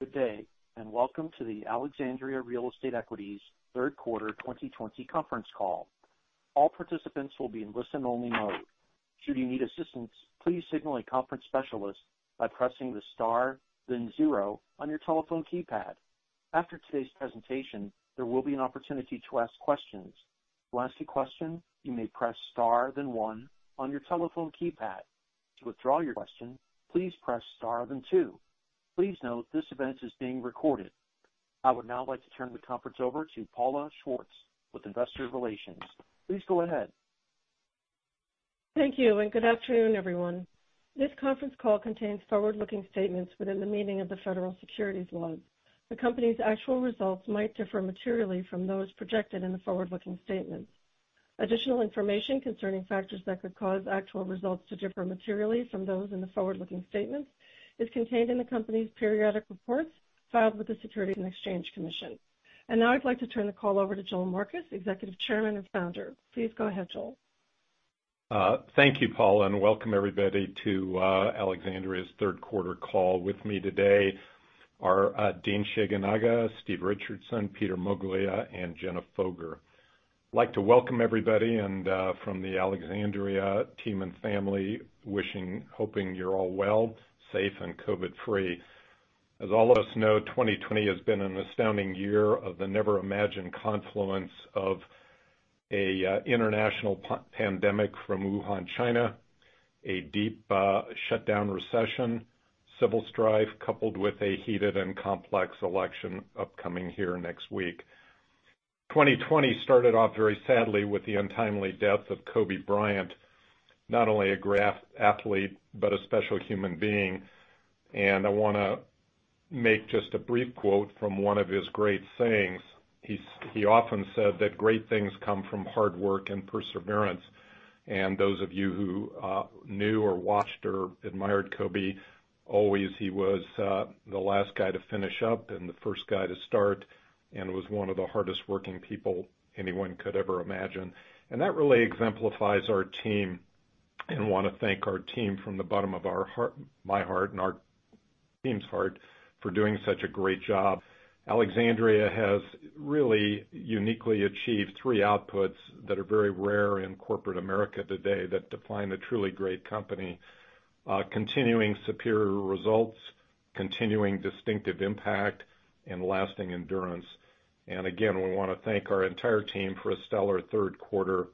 Good day, welcome to the Alexandria Real Estate Equities third quarter 2020 conference call. All participants will be in listen only mode. Should need assistance please signal a conference specialist by pressing star then zero on your telephone keypad after this presentation. There will be an opportunity to ask question. To ask a question you may press star then one on your telephone keypad. To withdraw your question please press star then two. Please note this event is being recorded. I would now like to turn the conference over to Paula Schwartz with investor relations. Please go ahead. Thank you, good afternoon, everyone. This conference call contains forward-looking statements within the meaning of the federal securities laws. The company's actual results might differ materially from those projected in the forward-looking statements. Additional information concerning factors that could cause actual results to differ materially from those in the forward-looking statements is contained in the company's periodic reports filed with the Securities and Exchange Commission. Now I'd like to turn the call over to Joel Marcus, Executive Chairman, and Founder. Please go ahead, Joel. Thank you, Paula, and welcome everybody to Alexandria's third quarter call. With me today are Dean Shigenaga, Steve Richardson, Peter Moglia, and Jenna Foger. I'd like to welcome everybody, and from the Alexandria team and family, wishing, hoping you're all well, safe, and COVID free. As all of us know, 2020 has been an astounding year of the never imagined confluence of an international pandemic from Wuhan, China, a deep shutdown recession, civil strife, coupled with a heated and complex election upcoming here next week. 2020 started off very sadly with the untimely death of Kobe Bryant, not only a great athlete, but a special human being. I want to make just a brief quote from one of his great sayings. He often said that great things come from hard work and perseverance. Those of you who knew or watched or admired Kobe, always he was the last guy to finish up and the first guy to start and was one of the hardest working people anyone could ever imagine. That really exemplifies our team. Want to thank our team from the bottom of my heart and our team's heart for doing such a great job. Alexandria has really uniquely achieved three outputs that are very rare in corporate America today that define a truly great company. Continuing superior results, continuing distinctive impact, and lasting endurance. Again, we want to thank our entire team for a stellar third quarter,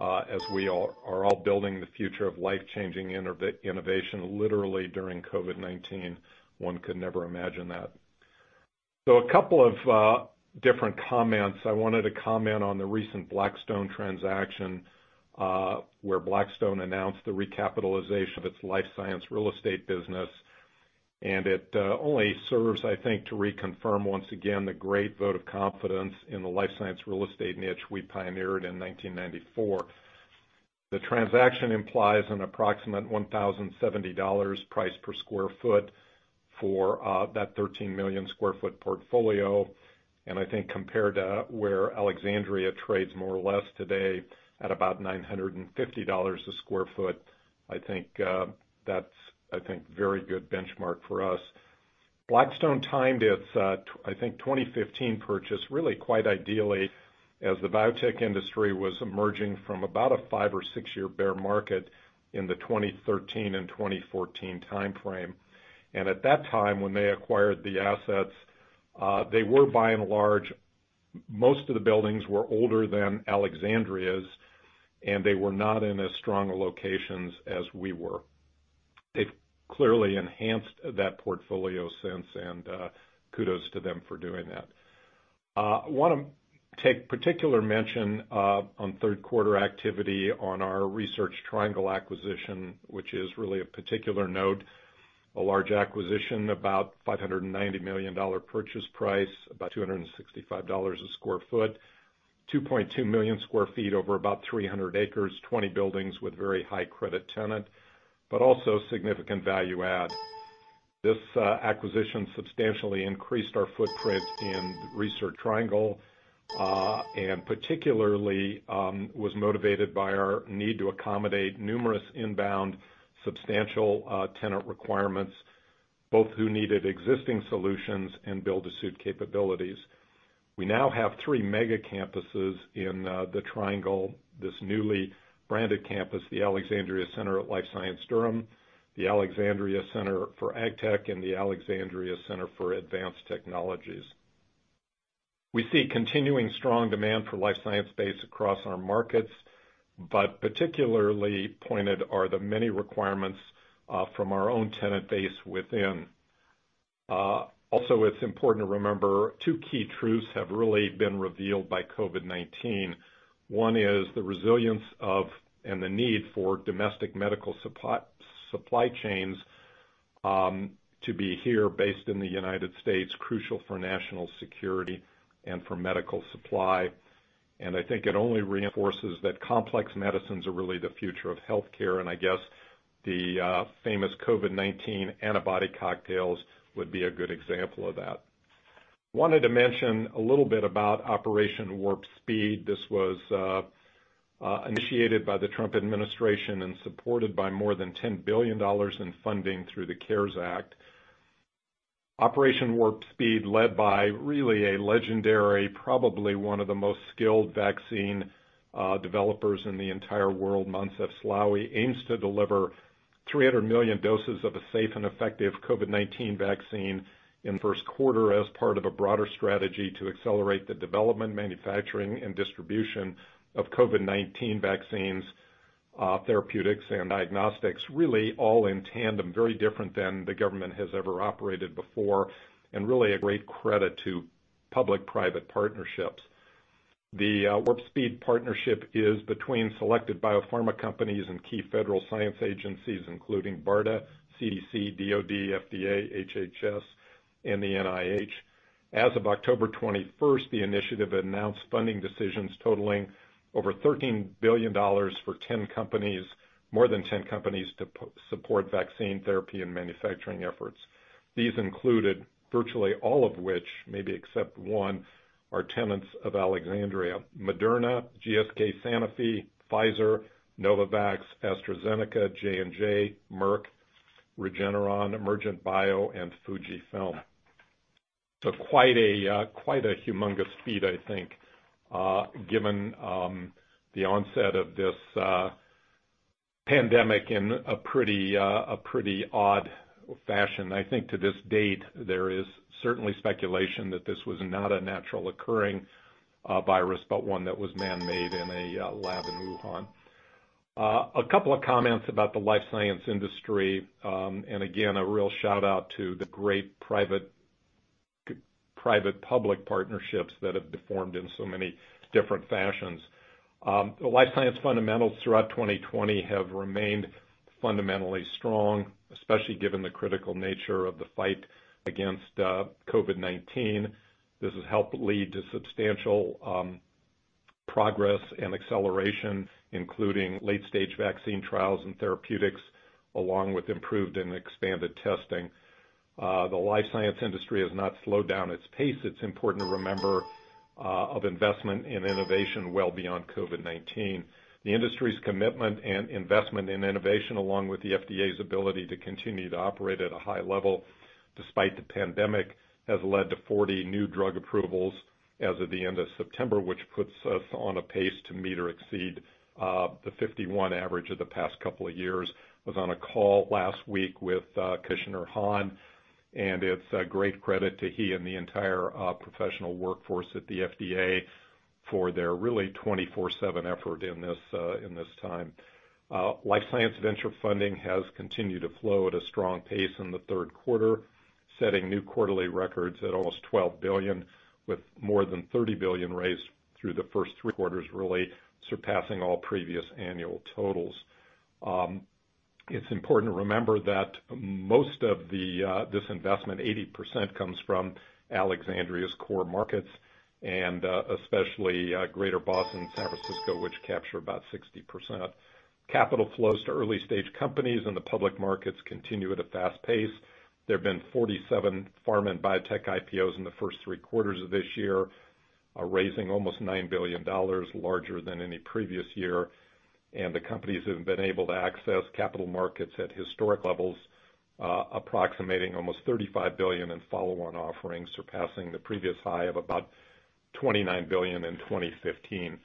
as we are all building the future of life-changing innovation literally during COVID-19. One could never imagine that. A couple of different comments. I wanted to comment on the recent Blackstone transaction, where Blackstone announced the recapitalization of its life science real estate business. It only serves, I think, to reconfirm once again the great vote of confidence in the life science real estate niche we pioneered in 1994. The transaction implies an approximate $1,070 price per sq ft for that 13 million sq ft portfolio. I think compared to where Alexandria trades more or less today at about $950 a sq ft, I think that's very good benchmark for us. Blackstone timed its, I think, 2015 purchase really quite ideally as the biotech industry was emerging from about a five or six year bear market in the 2013 and 2014 timeframe. At that time, when they acquired the assets, they were by and large, most of the buildings were older than Alexandria's, and they were not in as strong locations as we were. They've clearly enhanced that portfolio since, kudos to them for doing that. Want to take particular mention on third quarter activity on our Research Triangle acquisition, which is really of particular note. A large acquisition, about $590 million purchase price, about $265 a sq ft, 2.2 million sq ft over about 300 acres, 20 buildings with very high credit tenant, also significant value add. This acquisition substantially increased our footprint in Research Triangle, particularly, was motivated by our need to accommodate numerous inbound substantial tenant requirements, both who needed existing solutions and build to suit capabilities. We now have three mega campuses in the Triangle. This newly branded campus, the Alexandria Center for Life Science – Durham, the Alexandria Center for AgTech, and the Alexandria Center for Advanced Technologies. We see continuing strong demand for life science space across our markets, but particularly pointed are the many requirements from our own tenant base within. It's important to remember two key truths have really been revealed by COVID-19. One is the resilience of and the need for domestic medical supply chains to be here based in the U.S., crucial for national security and for medical supply. I think it only reinforces that complex medicines are really the future of healthcare, and I guess the famous COVID-19 antibody cocktails would be a good example of that. I wanted to mention a little bit about Operation Warp Speed. This was initiated by the Trump administration and supported by more than $10 billion in funding through the CARES Act. Operation Warp Speed, led by really a legendary, probably one of the most skilled vaccine developers in the entire world, Moncef Slaoui, aims to deliver 300 million doses of a safe and effective COVID-19 vaccine in the first quarter as part of a broader strategy to accelerate the development, manufacturing, and distribution of COVID-19 vaccines, therapeutics, and diagnostics, really all in tandem. Very different than the government has ever operated before, and really a great credit to public-private partnerships. The Warp Speed partnership is between selected biopharma companies and key federal science agencies, including BARDA, CDC, DOD, FDA, HHS, and the NIH. As of October 21st, the initiative announced funding decisions totaling over $13 billion for more than 10 companies to support vaccine therapy and manufacturing efforts. These included, virtually all of which, maybe except one, are tenants of Alexandria. Moderna, GSK, Sanofi, Pfizer, Novavax, AstraZeneca, J&J, Merck, Regeneron, Emergent Bio, and Fujifilm. Quite a humongous feat, I think, given the onset of this pandemic in a pretty odd fashion. I think to this date, there is certainly speculation that this was not a natural occurring virus, but one that was man-made in a lab in Wuhan. A couple of comments about the life science industry, again, a real shout-out to the great private-public partnerships that have been formed in so many different fashions. The life science fundamentals throughout 2020 have remained fundamentally strong, especially given the critical nature of the fight against COVID-19. This has helped lead to substantial progress and acceleration, including late-stage vaccine trials and therapeutics, along with improved and expanded testing. The life science industry has not slowed down its pace, it's important to remember, of investment in innovation well beyond COVID-19. The industry's commitment and investment in innovation, along with the FDA's ability to continue to operate at a high level despite the pandemic, has led to 40 new drug approvals as of the end of September, which puts us on a pace to meet or exceed the 51 average of the past couple of years. It's on a call last week with Stephen Hahn, and it's a great credit to he and the entire professional workforce at the FDA for their really 24/7 effort in this time. Life science venture funding has continued to flow at a strong pace in the third quarter, setting new quarterly records at almost $12 billion, with more than $30 billion raised through the first three quarters, really surpassing all previous annual totals. It's important to remember that most of this investment, 80%, comes from Alexandria's core markets and especially Greater Boston and San Francisco, which capture about 60%. Capital flows to early stage companies in the public markets continue at a fast pace. There have been 47 pharma and biotech IPOs in the first three quarters of this year, raising almost $9 billion, larger than any previous year. The companies have been able to access capital markets at historic levels, approximating almost $35 billion in follow-on offerings, surpassing the previous high of about $29 billion in 2015.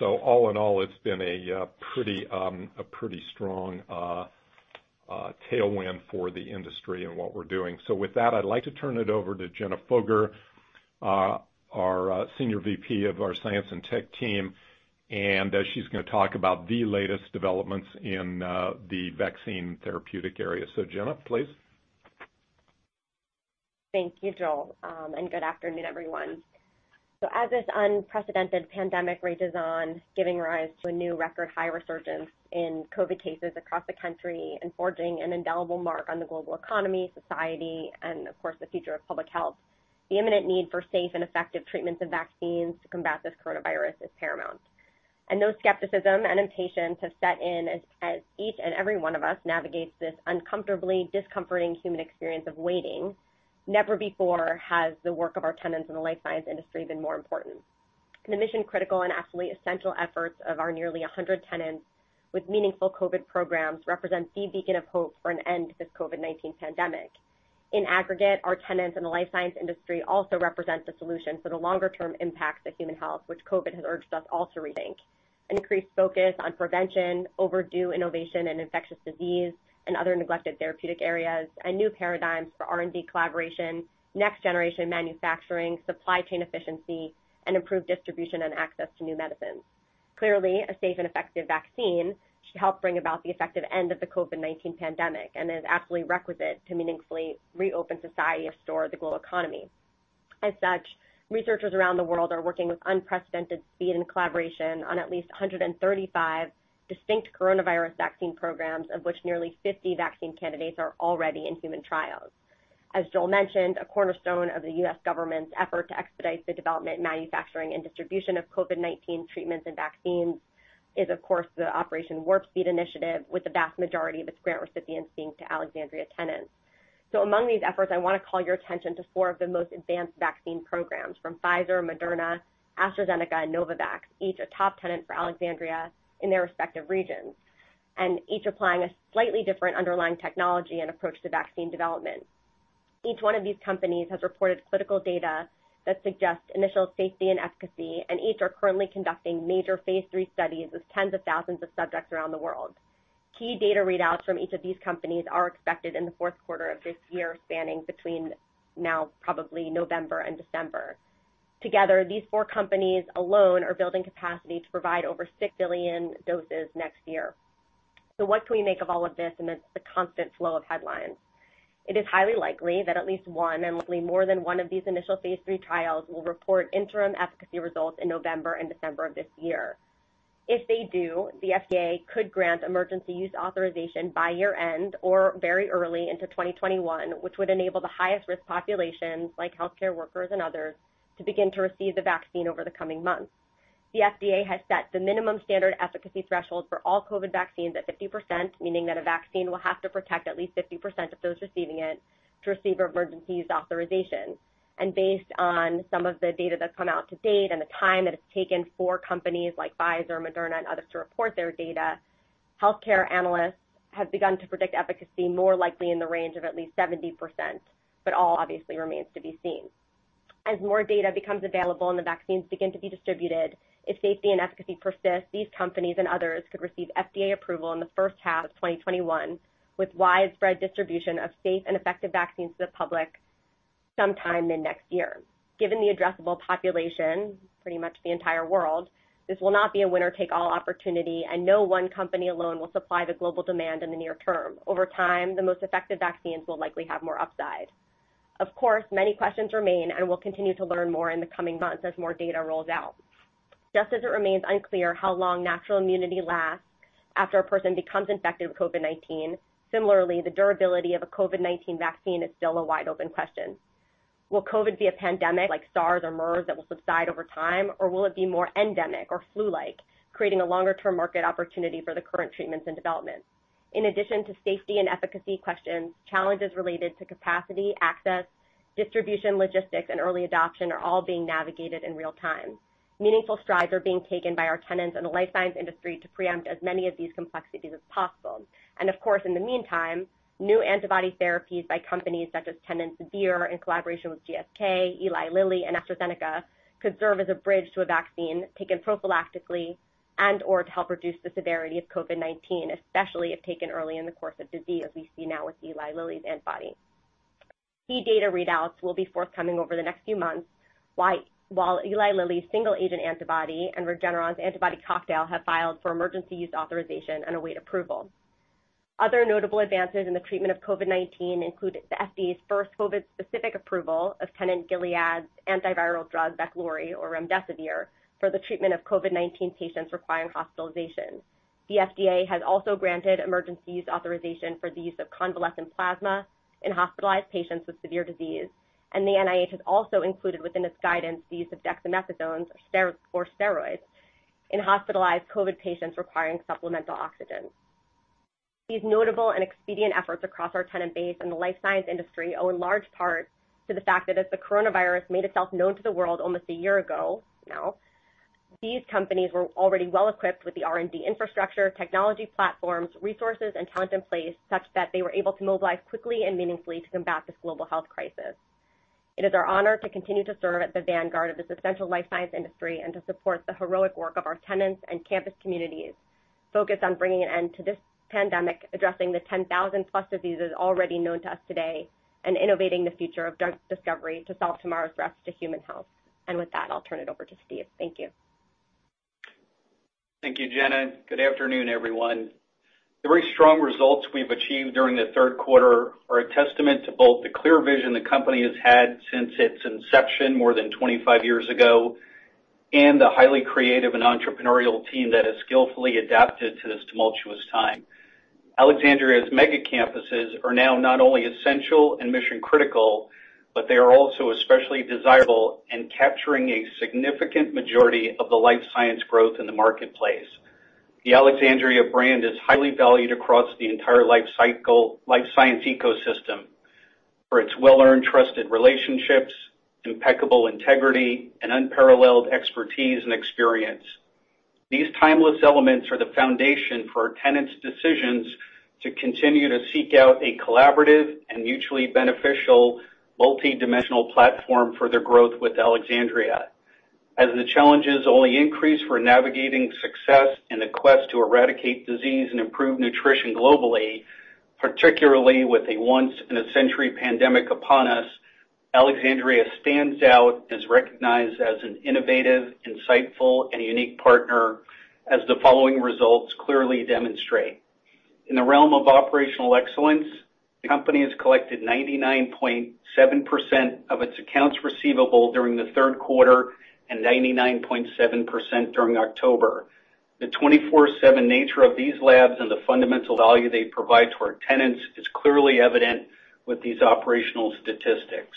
All in all, it's been a pretty strong tailwind for the industry and what we're doing. With that, I'd like to turn it over to Jenna Foger, our Senior VP of our Science and Tech team, and she's going to talk about the latest developments in the vaccine therapeutic area. Jenna, please. Thank you, Joel, good afternoon, everyone. As this unprecedented pandemic rages on, giving rise to a new record high resurgence in COVID cases across the country and forging an indelible mark on the global economy, society, and of course, the future of public health, the imminent need for safe and effective treatments and vaccines to combat this coronavirus is paramount. Though skepticism and impatience have set in as each and every one of us navigates this uncomfortably discomforting human experience of waiting, never before has the work of our tenants in the life science industry been more important. The mission critical and absolutely essential efforts of our nearly 100 tenants with meaningful COVID programs represent the beacon of hope for an end to this COVID-19 pandemic. In aggregate, our tenants in the life science industry also represent the solution for the longer-term impacts of human health, which COVID-19 has urged us all to rethink. An increased focus on prevention, overdue innovation in infectious disease and other neglected therapeutic areas, and new paradigms for R&D collaboration, next generation manufacturing, supply chain efficiency, and improved distribution and access to new medicines. Clearly, a safe and effective vaccine should help bring about the effective end of the COVID-19 pandemic and is absolutely requisite to meaningfully reopen society and restore the global economy. Researchers around the world are working with unprecedented speed and collaboration on at least 135 distinct coronavirus vaccine programs, of which nearly 50 vaccine candidates are already in human trials. As Joel mentioned, a cornerstone of the U.S. government's effort to expedite the development, manufacturing, and distribution of COVID-19 treatments and vaccines is, of course, the Operation Warp Speed initiative, with the vast majority of its grant recipients being to Alexandria tenants. Among these efforts, I want to call your attention to four of the most advanced vaccine programs from Pfizer, Moderna, AstraZeneca, and Novavax, each a top tenant for Alexandria in their respective regions, and each applying a slightly different underlying technology and approach to vaccine development. Each one of these companies has reported clinical data that suggests initial safety and efficacy, and each are currently conducting major phase III studies with tens of thousands of subjects around the world. Key data readouts from each of these companies are expected in the fourth quarter of this year, spanning between now probably November and December. Together, these four companies alone are building capacity to provide over 6 billion doses next year. What can we make of all of this amidst the constant flow of headlines? It is highly likely that at least one and likely more than one of these initial phase III trials will report interim efficacy results in November and December of this year. If they do, the FDA could grant emergency use authorization by year-end or very early into 2021, which would enable the highest risk populations, like healthcare workers and others, to begin to receive the vaccine over the coming months. The FDA has set the minimum standard efficacy threshold for all COVID vaccines at 50%, meaning that a vaccine will have to protect at least 50% of those receiving it to receive emergency use authorization. Based on some of the data that's come out to date and the time that it's taken for companies like Pfizer, Moderna, and others to report their data, healthcare analysts have begun to predict efficacy more likely in the range of at least 70%. All obviously remains to be seen. As more data becomes available and the vaccines begin to be distributed, if safety and efficacy persist, these companies and others could receive FDA approval in the first half of 2021, with widespread distribution of safe and effective vaccines to the public sometime in next year. Given the addressable population, pretty much the entire world, this will not be a winner-take-all opportunity, and no one company alone will supply the global demand in the near term. Over time, the most effective vaccines will likely have more upside. Of course, many questions remain, and we'll continue to learn more in the coming months as more data rolls out. Just as it remains unclear how long natural immunity lasts after a person becomes infected with COVID-19, similarly, the durability of a COVID-19 vaccine is still a wide open question. Will COVID be a pandemic like SARS or MERS that will subside over time? Or will it be more endemic or flu-like, creating a longer-term market opportunity for the current treatments and development? In addition to safety and efficacy questions, challenges related to capacity, access, distribution, logistics, and early adoption are all being navigated in real time. Meaningful strides are being taken by our tenants and the life science industry to preempt as many of these complexities as possible. Of course, in the meantime, new antibody therapies by companies such as [Vir Biotechnology] in collaboration with GSK, Eli Lilly, and AstraZeneca could serve as a bridge to a vaccine taken prophylactically and or to help reduce the severity of COVID-19, especially if taken early in the course of disease, as we see now with Eli Lilly's antibody. Key data readouts will be forthcoming over the next few months, while Eli Lilly's single agent antibody and Regeneron's antibody cocktail have filed for emergency use authorization and await approval. Other notable advances in the treatment of COVID-19 include the FDA's first COVID-specific approval of [Gilead's] antiviral drug, VEKLURY or remdesivir, for the treatment of COVID-19 patients requiring hospitalization. The FDA has also granted emergency use authorization for the use of convalescent plasma in hospitalized patients with severe disease. The NIH has also included within its guidance the use of dexamethasone or steroids in hospitalized COVID patients requiring supplemental oxygen. These notable and expedient efforts across our tenant base and the life science industry owe in large part to the fact that as the coronavirus made itself known to the world almost a year ago now, these companies were already well equipped with the R&D infrastructure, technology platforms, resources, and talent in place such that they were able to mobilize quickly and meaningfully to combat this global health crisis. It is our honor to continue to serve at the vanguard of this essential life science industry and to support the heroic work of our tenants and campus communities focused on bringing an end to this pandemic, addressing the 10,000+ diseases already known to us today, and innovating the future of drug discovery to solve tomorrow's threats to human health. With that, I'll turn it over to Steve. Thank you. Thank you, Jenna. Good afternoon, everyone. The very strong results we've achieved during the third quarter are a testament to both the clear vision the company has had since its inception more than 25 years ago and the highly creative and entrepreneurial team that has skillfully adapted to this tumultuous time. Alexandria's mega campuses are now not only essential and mission critical, but they are also especially desirable and capturing a significant majority of the life science growth in the marketplace. The Alexandria brand is highly valued across the entire life science ecosystem for its well-earned trusted relationships, impeccable integrity, and unparalleled expertise and experience. These timeless elements are the foundation for our tenants' decisions to continue to seek out a collaborative and mutually beneficial multi-dimensional platform for their growth with Alexandria. As the challenges only increase for navigating success in the quest to eradicate disease and improve nutrition globally, particularly with a once in a century pandemic upon us, Alexandria stands out as recognized as an innovative, insightful, and unique partner, as the following results clearly demonstrate. In the realm of operational excellence, the company has collected 99.7% of its accounts receivable during the third quarter and 99.7% during October. The 24/7 nature of these labs and the fundamental value they provide to our tenants is clearly evident with these operational statistics.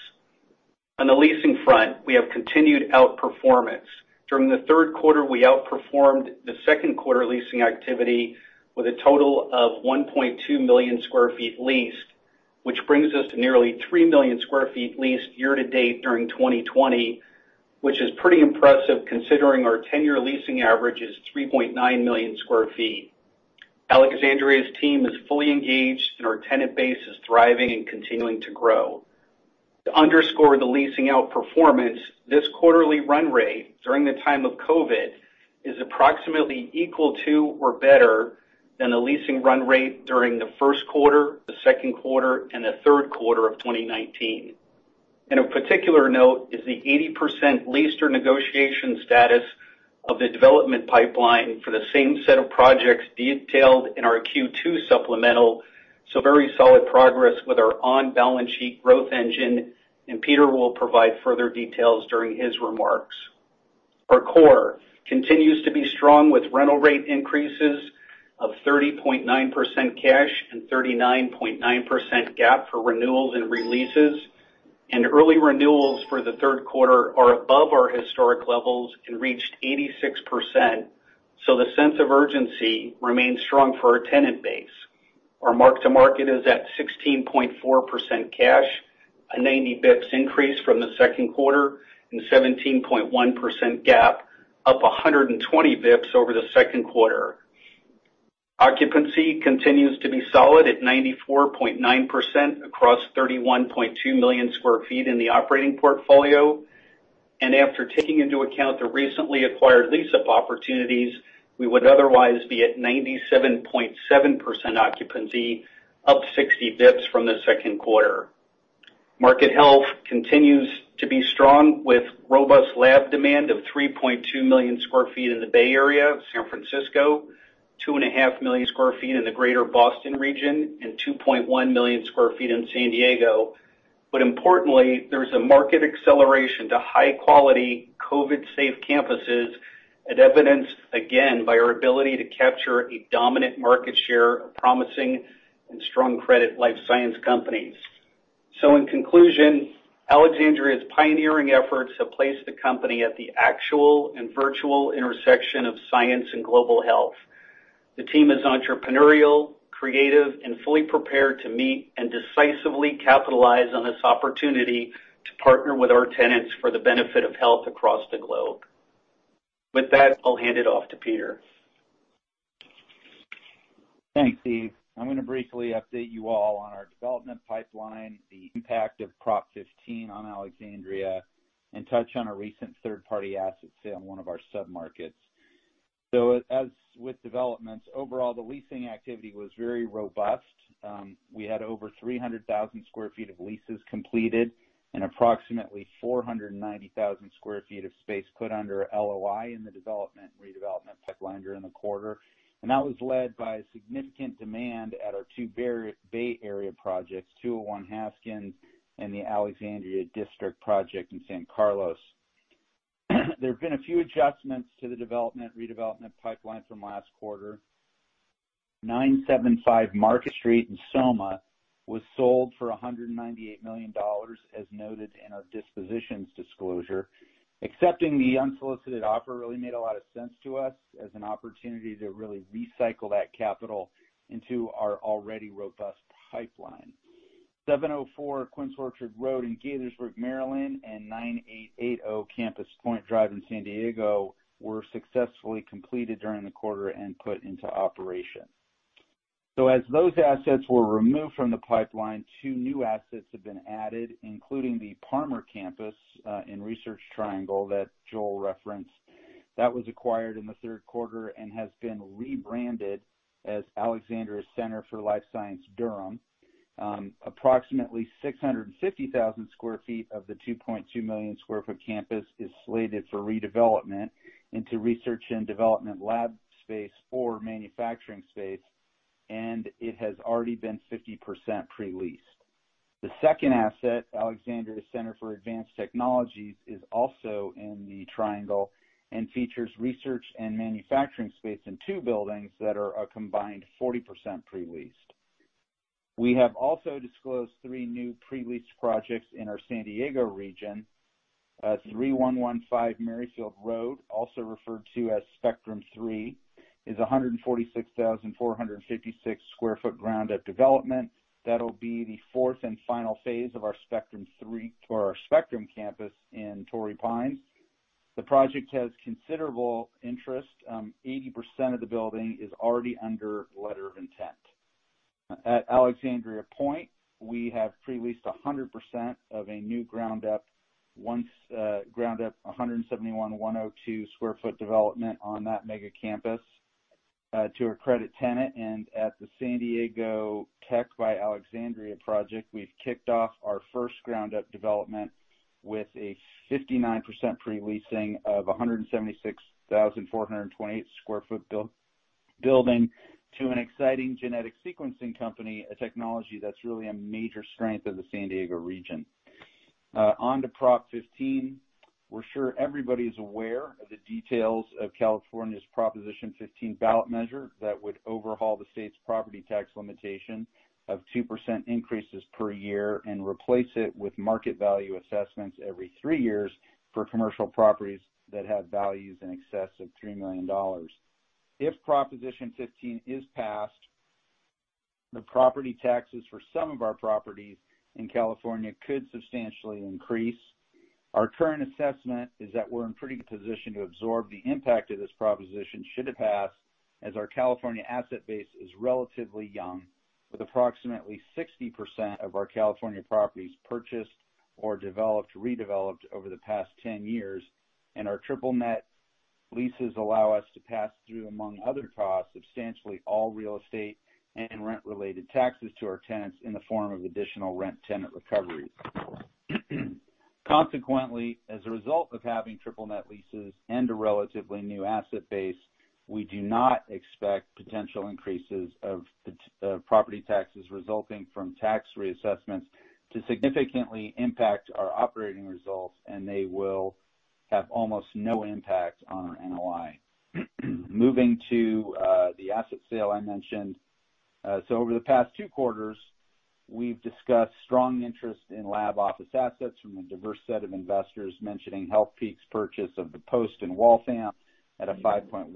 On the leasing front, we have continued outperformance. During the third quarter, we outperformed the second quarter leasing activity with a total of 1.2 million square feet leased, which brings us to nearly 3 million square feet leased year to date during 2020, which is pretty impressive considering our 10-year leasing average is 3.9 million square feet. Alexandria's team is fully engaged, and our tenant base is thriving and continuing to grow. To underscore the leasing outperformance, this quarterly run rate during the time of COVID is approximately equal to or better than the leasing run rate during the first quarter, the second quarter, and the third quarter of 2019. A particular note is the 80% leased or negotiation status of the development pipeline for the same set of projects detailed in our Q2 supplemental. Very solid progress with our on-balance sheet growth engine, and Peter will provide further details during his remarks. Our core continues to be strong with rental rate increases of 30.9% cash and 39.9% GAAP for renewals and re-leases. Early renewals for the third quarter are above our historic levels and reached 86%. The sense of urgency remains strong for our tenant base. Our mark-to-market is at 16.4% cash, a 90 basis points increase from the second quarter and 17.1% GAAP, up 120 basis points over the second quarter. Occupancy continues to be solid at 94.9% across 31.2 million sq ft in the operating portfolio. After taking into account the recently acquired lease-up opportunities, we would otherwise be at 97.7% occupancy, up 60 basis points from the second quarter. Market health continues to be strong with robust lab demand of 3.2 million sq ft in the Bay Area, San Francisco, 2.5 million Sq ft in the greater Boston region, and 2.1 million sq ft in San Diego. Importantly, there's a market acceleration to high-quality, COVID-safe campuses, as evidenced again by our ability to capture a dominant market share of promising and strong credit life science companies. In conclusion, Alexandria's pioneering efforts have placed the company at the actual and virtual intersection of science and global health. The team is entrepreneurial, creative, and fully prepared to meet and decisively capitalize on this opportunity to partner with our tenants for the benefit of health across the globe. With that, I'll hand it off to Peter. Thanks, Steve. I'm going to briefly update you all on our development pipeline, the impact of Prop 15 on Alexandria, and touch on a recent third-party asset sale in one of our sub-markets. As with developments, overall, the leasing activity was very robust. We had over 300,000 sq ft of leases completed and approximately 490,000 sq ft of space put under LOI in the development and redevelopment pipeline during the quarter. That was led by significant demand at our two Bay Area projects, 201 Haskins and The Alexandria District project in San Carlos. There have been a few adjustments to the development/redevelopment pipeline from last quarter. 975 Market Street in SoMa was sold for $198 million, as noted in our dispositions disclosure. Accepting the unsolicited offer really made a lot of sense to us as an opportunity to really recycle that capital into our already robust pipeline. 704 Quince Orchard Road in Gaithersburg, Maryland, and 9880 Campus Point Drive in San Diego were successfully completed during the quarter and put into operation. As those assets were removed from the pipeline, two new assets have been added, including the Parmer Campus in Research Triangle that Joel referenced. That was acquired in the third quarter and has been rebranded as Alexandria Center for Life Science – Durham. Approximately 650,000 square feet of the 2.2 million square foot campus is slated for redevelopment into research and development lab space or manufacturing space, and it has already been 50% pre-leased. The second asset, Alexandria Center for Advanced Technologies, is also in the Triangle and features research and manufacturing space in two buildings that are a combined 40% pre-leased. We have also disclosed three new pre-leased projects in our San Diego region. 3115 Merryfield Row, also referred to as Spectrum 3, is 146,456 sq ft ground-up development. That'll be the fourth and final phase of our Spectrum [Campus] in Torrey Pines. The project has considerable interest. 80% of the building is already under letter of intent. At Alexandria Point, we have pre-leased 100% of a new ground-up 171,102 sq ft development on that mega campus to a credit tenant. At the SD Tech by Alexandria project, we've kicked off our first ground-up development with a 59% pre-leasing of 176,428 sq ft building to an exciting genetic sequencing company, a technology that's really a major strength of the San Diego region. On to Prop 15. We're sure everybody's aware of the details of California's Proposition 15 ballot measure that would overhaul the state's property tax limitation of 2% increases per year and replace it with market value assessments every three years for commercial properties that have values in excess of $3 million. If Proposition 15 is passed, the property taxes for some of our properties in California could substantially increase. Our current assessment is that we're in a pretty good position to absorb the impact of this proposition should it pass, as our California asset base is relatively young, with approximately 60% of our California properties purchased or developed, redeveloped over the past 10 years, and our triple-net leases allow us to pass through, among other costs, substantially all real estate and rent-related taxes to our tenants in the form of additional rent tenant recoveries. Consequently, as a result of having triple-net leases and a relatively new asset base, we do not expect potential increases of property taxes resulting from tax reassessments to significantly impact our operating results, and they will have almost no impact on our NOI. Moving to the asset sale I mentioned. Over the past 2 quarters, we've discussed strong interest in lab office assets from a diverse set of investors, mentioning Healthpeak's purchase of The Post in Waltham at a 5.1%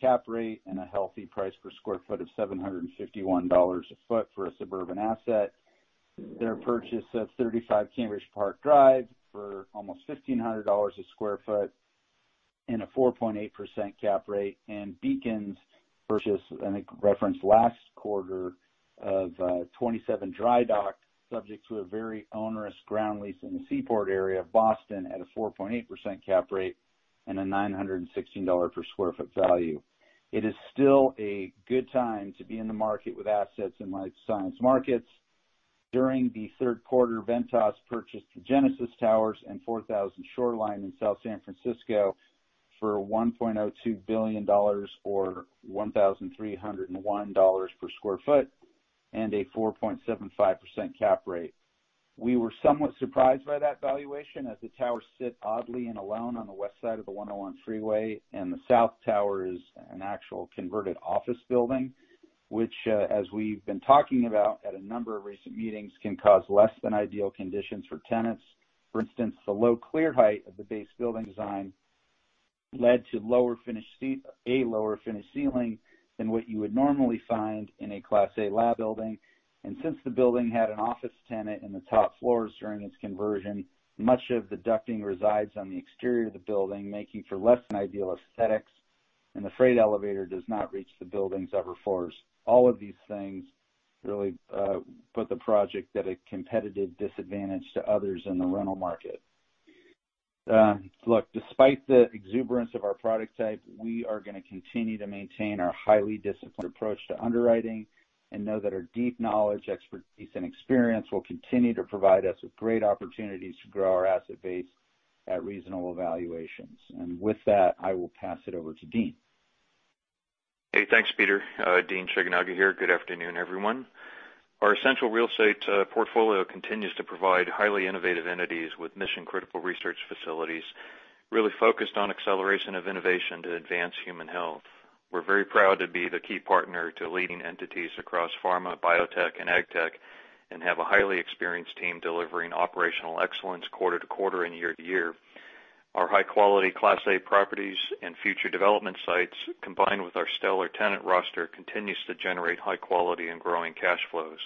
cap rate and a healthy price per square foot of $751 a foot for a suburban asset. Their purchase of 35 Cambridge Park Drive for almost $1,500 a square foot and a 4.8% cap rate. Beacon's purchase, and it referenced last quarter, of 27 Drydock, subject to a very onerous ground lease in the Seaport area of Boston at a 4.8% cap rate and a $916 per sq ft value. It is still a good time to be in the market with assets in life science markets. During the third quarter, Ventas purchased the Genesis Towers and 4000 Shoreline in South San Francisco for $1.02 billion, or $1,301 per sq ft, and a 4.75% cap rate. We were somewhat surprised by that valuation, as the tower sit oddly and alone on the west side of the 101 freeway, and the south tower is an actual converted office building, which, as we've been talking about at a number of recent meetings, can cause less than ideal conditions for tenants. For instance, the low clear height of the base building design led to a lower finished ceiling than what you would normally find in a Class A lab building. Since the building had an office tenant in the top floors during its conversion, much of the ducting resides on the exterior of the building, making for less than ideal aesthetics, and the freight elevator does not reach the building's upper floors. All of these things really put the project at a competitive disadvantage to others in the rental market. Look, despite the exuberance of our product type, we are going to continue to maintain our highly disciplined approach to underwriting and know that our deep knowledge, expertise, and experience will continue to provide us with great opportunities to grow our asset base at reasonable evaluations. With that, I will pass it over to Dean. Hey, thanks, Peter. Dean Shigenaga here. Good afternoon, everyone. Our essential real estate portfolio continues to provide highly innovative entities with mission-critical research facilities really focused on acceleration of innovation to advance human health. We're very proud to be the key partner to leading entities across pharma, biotech, and agtech and have a highly experienced team delivering operational excellence quarter to quarter and year to year. Our high-quality Class A properties and future development sites, combined with our stellar tenant roster, continues to generate high quality and growing cash flows.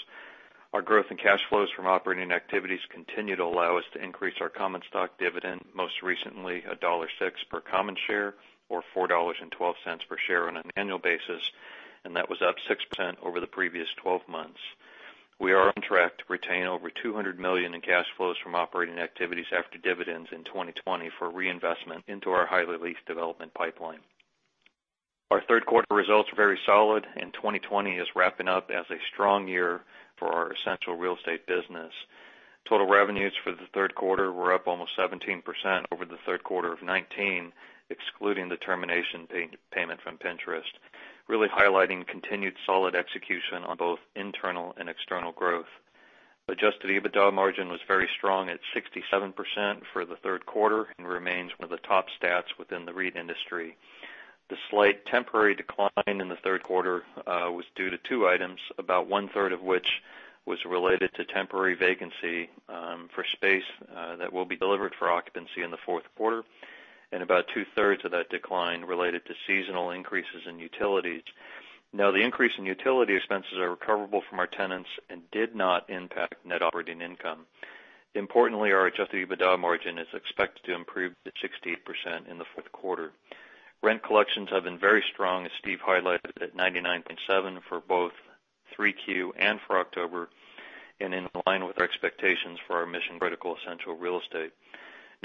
Our growth in cash flows from operating activities continue to allow us to increase our common stock dividend, most recently $1.06 per common share, or $4.12 per share on an annual basis, and that was up 6% over the previous 12 months. We are on track to retain over $200 million in cash flows from operating activities after dividends in 2020 for reinvestment into our highly leased development pipeline. Our third quarter results were very solid, and 2020 is wrapping up as a strong year for our essential real estate business. Total revenues for the third quarter were up almost 17% over the third quarter of 2019, excluding the termination payment from Pinterest, really highlighting continued solid execution on both internal and external growth. Adjusted EBITDA margin was very strong at 67% for the third quarter and remains one of the top stats within the REIT industry. The slight temporary decline in the third quarter was due to two items, about one-third of which was related to temporary vacancy for space that will be delivered for occupancy in the fourth quarter, and about two-thirds of that decline related to seasonal increases in utilities. The increase in utility expenses are recoverable from our tenants and did not impact net operating income. Importantly, our adjusted EBITDA margin is expected to improve to 68% in the fourth quarter. Rent collections have been very strong, as Steve highlighted, at 99.7% for both Q3 and for October and in line with our expectations for our mission-critical essential real estate.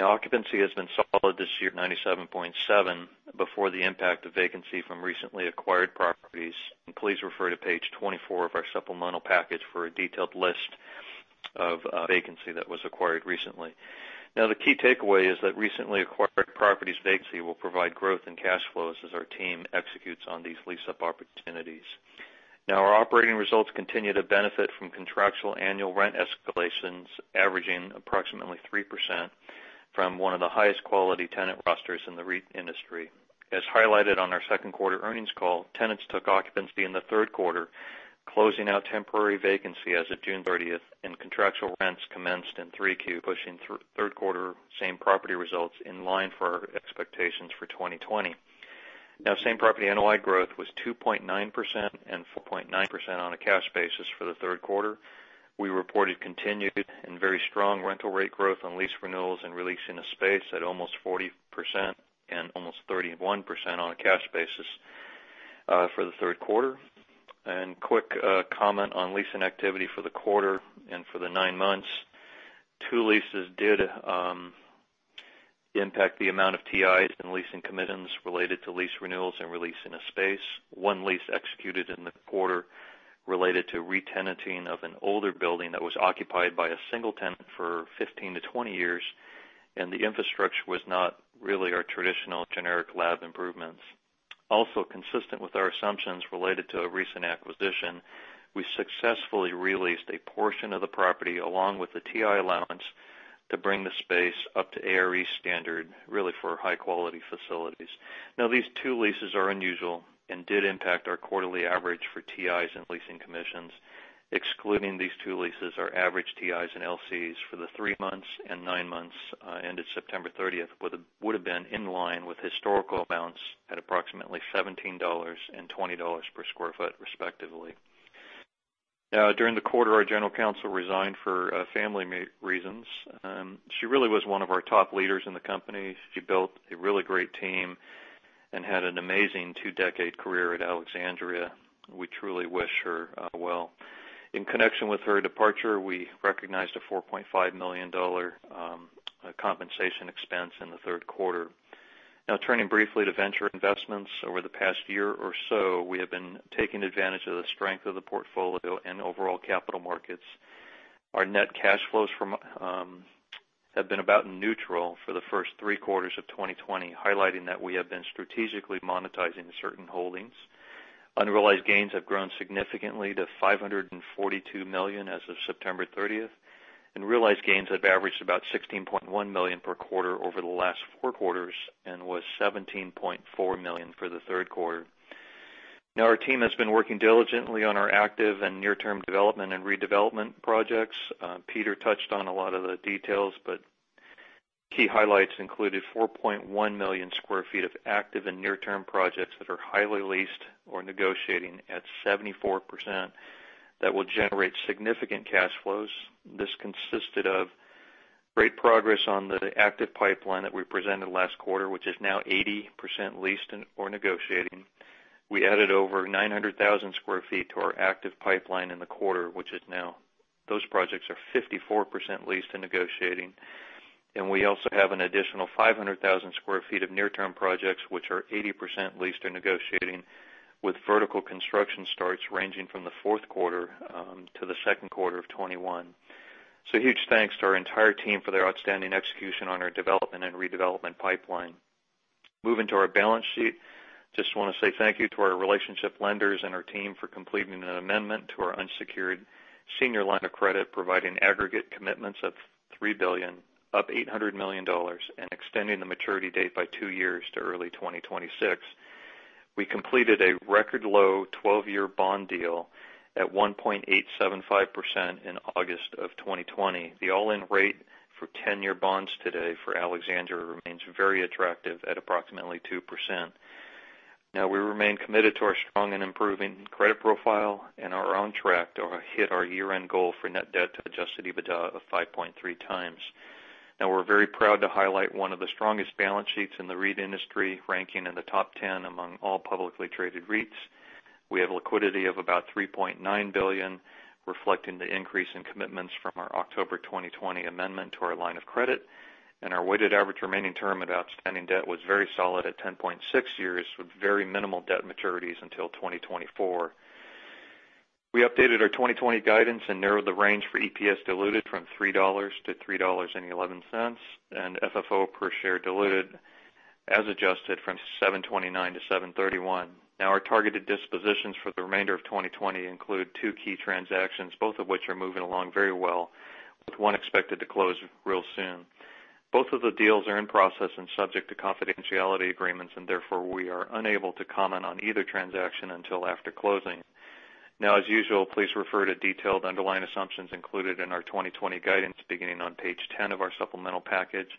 Occupancy has been solid this year at 97.7% before the impact of vacancy from recently acquired properties. Please refer to page 24 of our supplemental package for a detailed list of vacancy that was acquired recently. The key takeaway is that recently acquired properties vacancy will provide growth in cash flows as our team executes on these lease-up opportunities. Our operating results continue to benefit from contractual annual rent escalations, averaging approximately 3% from one of the highest quality tenant rosters in the REIT industry. As highlighted on our second quarter earnings call, tenants took occupancy in the third quarter, closing out temporary vacancy as of June 30th, and contractual rents commenced in 3Q, pushing third quarter same property results in line for our expectations for 2020. Same property NOI growth was 2.9% and 4.9% on a cash basis for the third quarter. We reported continued and very strong rental rate growth on lease renewals and re-leasing of space at almost 40% and almost 31% on a cash basis for the third quarter. Quick comment on leasing activity for the quarter and for the nine months. Two leases did impact the amount of TIs and leasing commissions related to lease renewals and re-leasing of space. One lease executed in the quarter, related to re-tenanting of an older building that was occupied by a single tenant for 15-20 years. The infrastructure was not really our traditional generic lab improvements. Also, consistent with our assumptions related to a recent acquisition, we successfully re-leased a portion of the property along with the TI allowance to bring the space up to ARE standard, really for high-quality facilities. These two leases are unusual and did impact our quarterly average for TIs and leasing commissions. Excluding these two leases, our average TIs and LCs for the three months and nine months ended September 30th, would've been in line with historical amounts at approximately $17 and $20 per square foot, respectively. During the quarter, our general counsel resigned for family reasons. She really was one of our top leaders in the company. She built a really great team and had an amazing two-decade career at Alexandria. We truly wish her well. In connection with her departure, we recognized a $4.5 million compensation expense in the third quarter. Turning briefly to venture investments. Over the past year or so, we have been taking advantage of the strength of the portfolio and overall capital markets. Our net cash flows have been about neutral for the first three quarters of 2020, highlighting that we have been strategically monetizing certain holdings. Unrealized gains have grown significantly to $542 million as of September 30th. Realized gains have averaged about $16.1 million per quarter over the last four quarters and was $17.4 million for the third quarter. Our team has been working diligently on our active and near-term development and redevelopment projects. Peter touched on a lot of the details. Key highlights included 4.1 million sq ft of active and near-term projects that are highly leased or negotiating at 74%, that will generate significant cash flows. This consisted of great progress on the active pipeline that we presented last quarter, which is now 80% leased or negotiating. We added over 900,000 sq ft to our active pipeline in the quarter, which is now those projects are 54% leased and negotiating. We also have an additional 500,000 square feet of near-term projects, which are 80% leased or negotiating, with vertical construction starts ranging from the fourth quarter to the second quarter of 2021. A huge thanks to our entire team for their outstanding execution on our development and redevelopment pipeline. Moving to our balance sheet. Just want to say thank you to our relationship lenders and our team for completing an amendment to our unsecured senior line of credit, providing aggregate commitments of $3 billion, up $800 million, and extending the maturity date by two years to early 2026. We completed a record low 12-year bond deal at 1.875% in August of 2020. The all-in rate for 10-year bonds today for Alexandria remains very attractive at approximately 2%. We remain committed to our strong and improving credit profile and are on track to hit our year-end goal for net debt to adjusted EBITDA of 5.3x. We're very proud to highlight one of the strongest balance sheets in the REIT industry, ranking in the top 10 among all publicly traded REITs. We have liquidity of about $3.9 billion, reflecting the increase in commitments from our October 2020 amendment to our line of credit. Our weighted average remaining term of outstanding debt was very solid at 10.6 years, with very minimal debt maturities until 2024. We updated our 2020 guidance and narrowed the range for EPS diluted from $3-$3.11, and FFO per share diluted as adjusted from $7.29-$7.31. Our targeted dispositions for the remainder of 2020 include 2 key transactions, both of which are moving along very well, with one expected to close real soon. Both of the deals are in process and subject to confidentiality agreements, and therefore we are unable to comment on either transaction until after closing. As usual, please refer to detailed underlying assumptions included in our 2020 guidance beginning on page 10 of our supplemental package.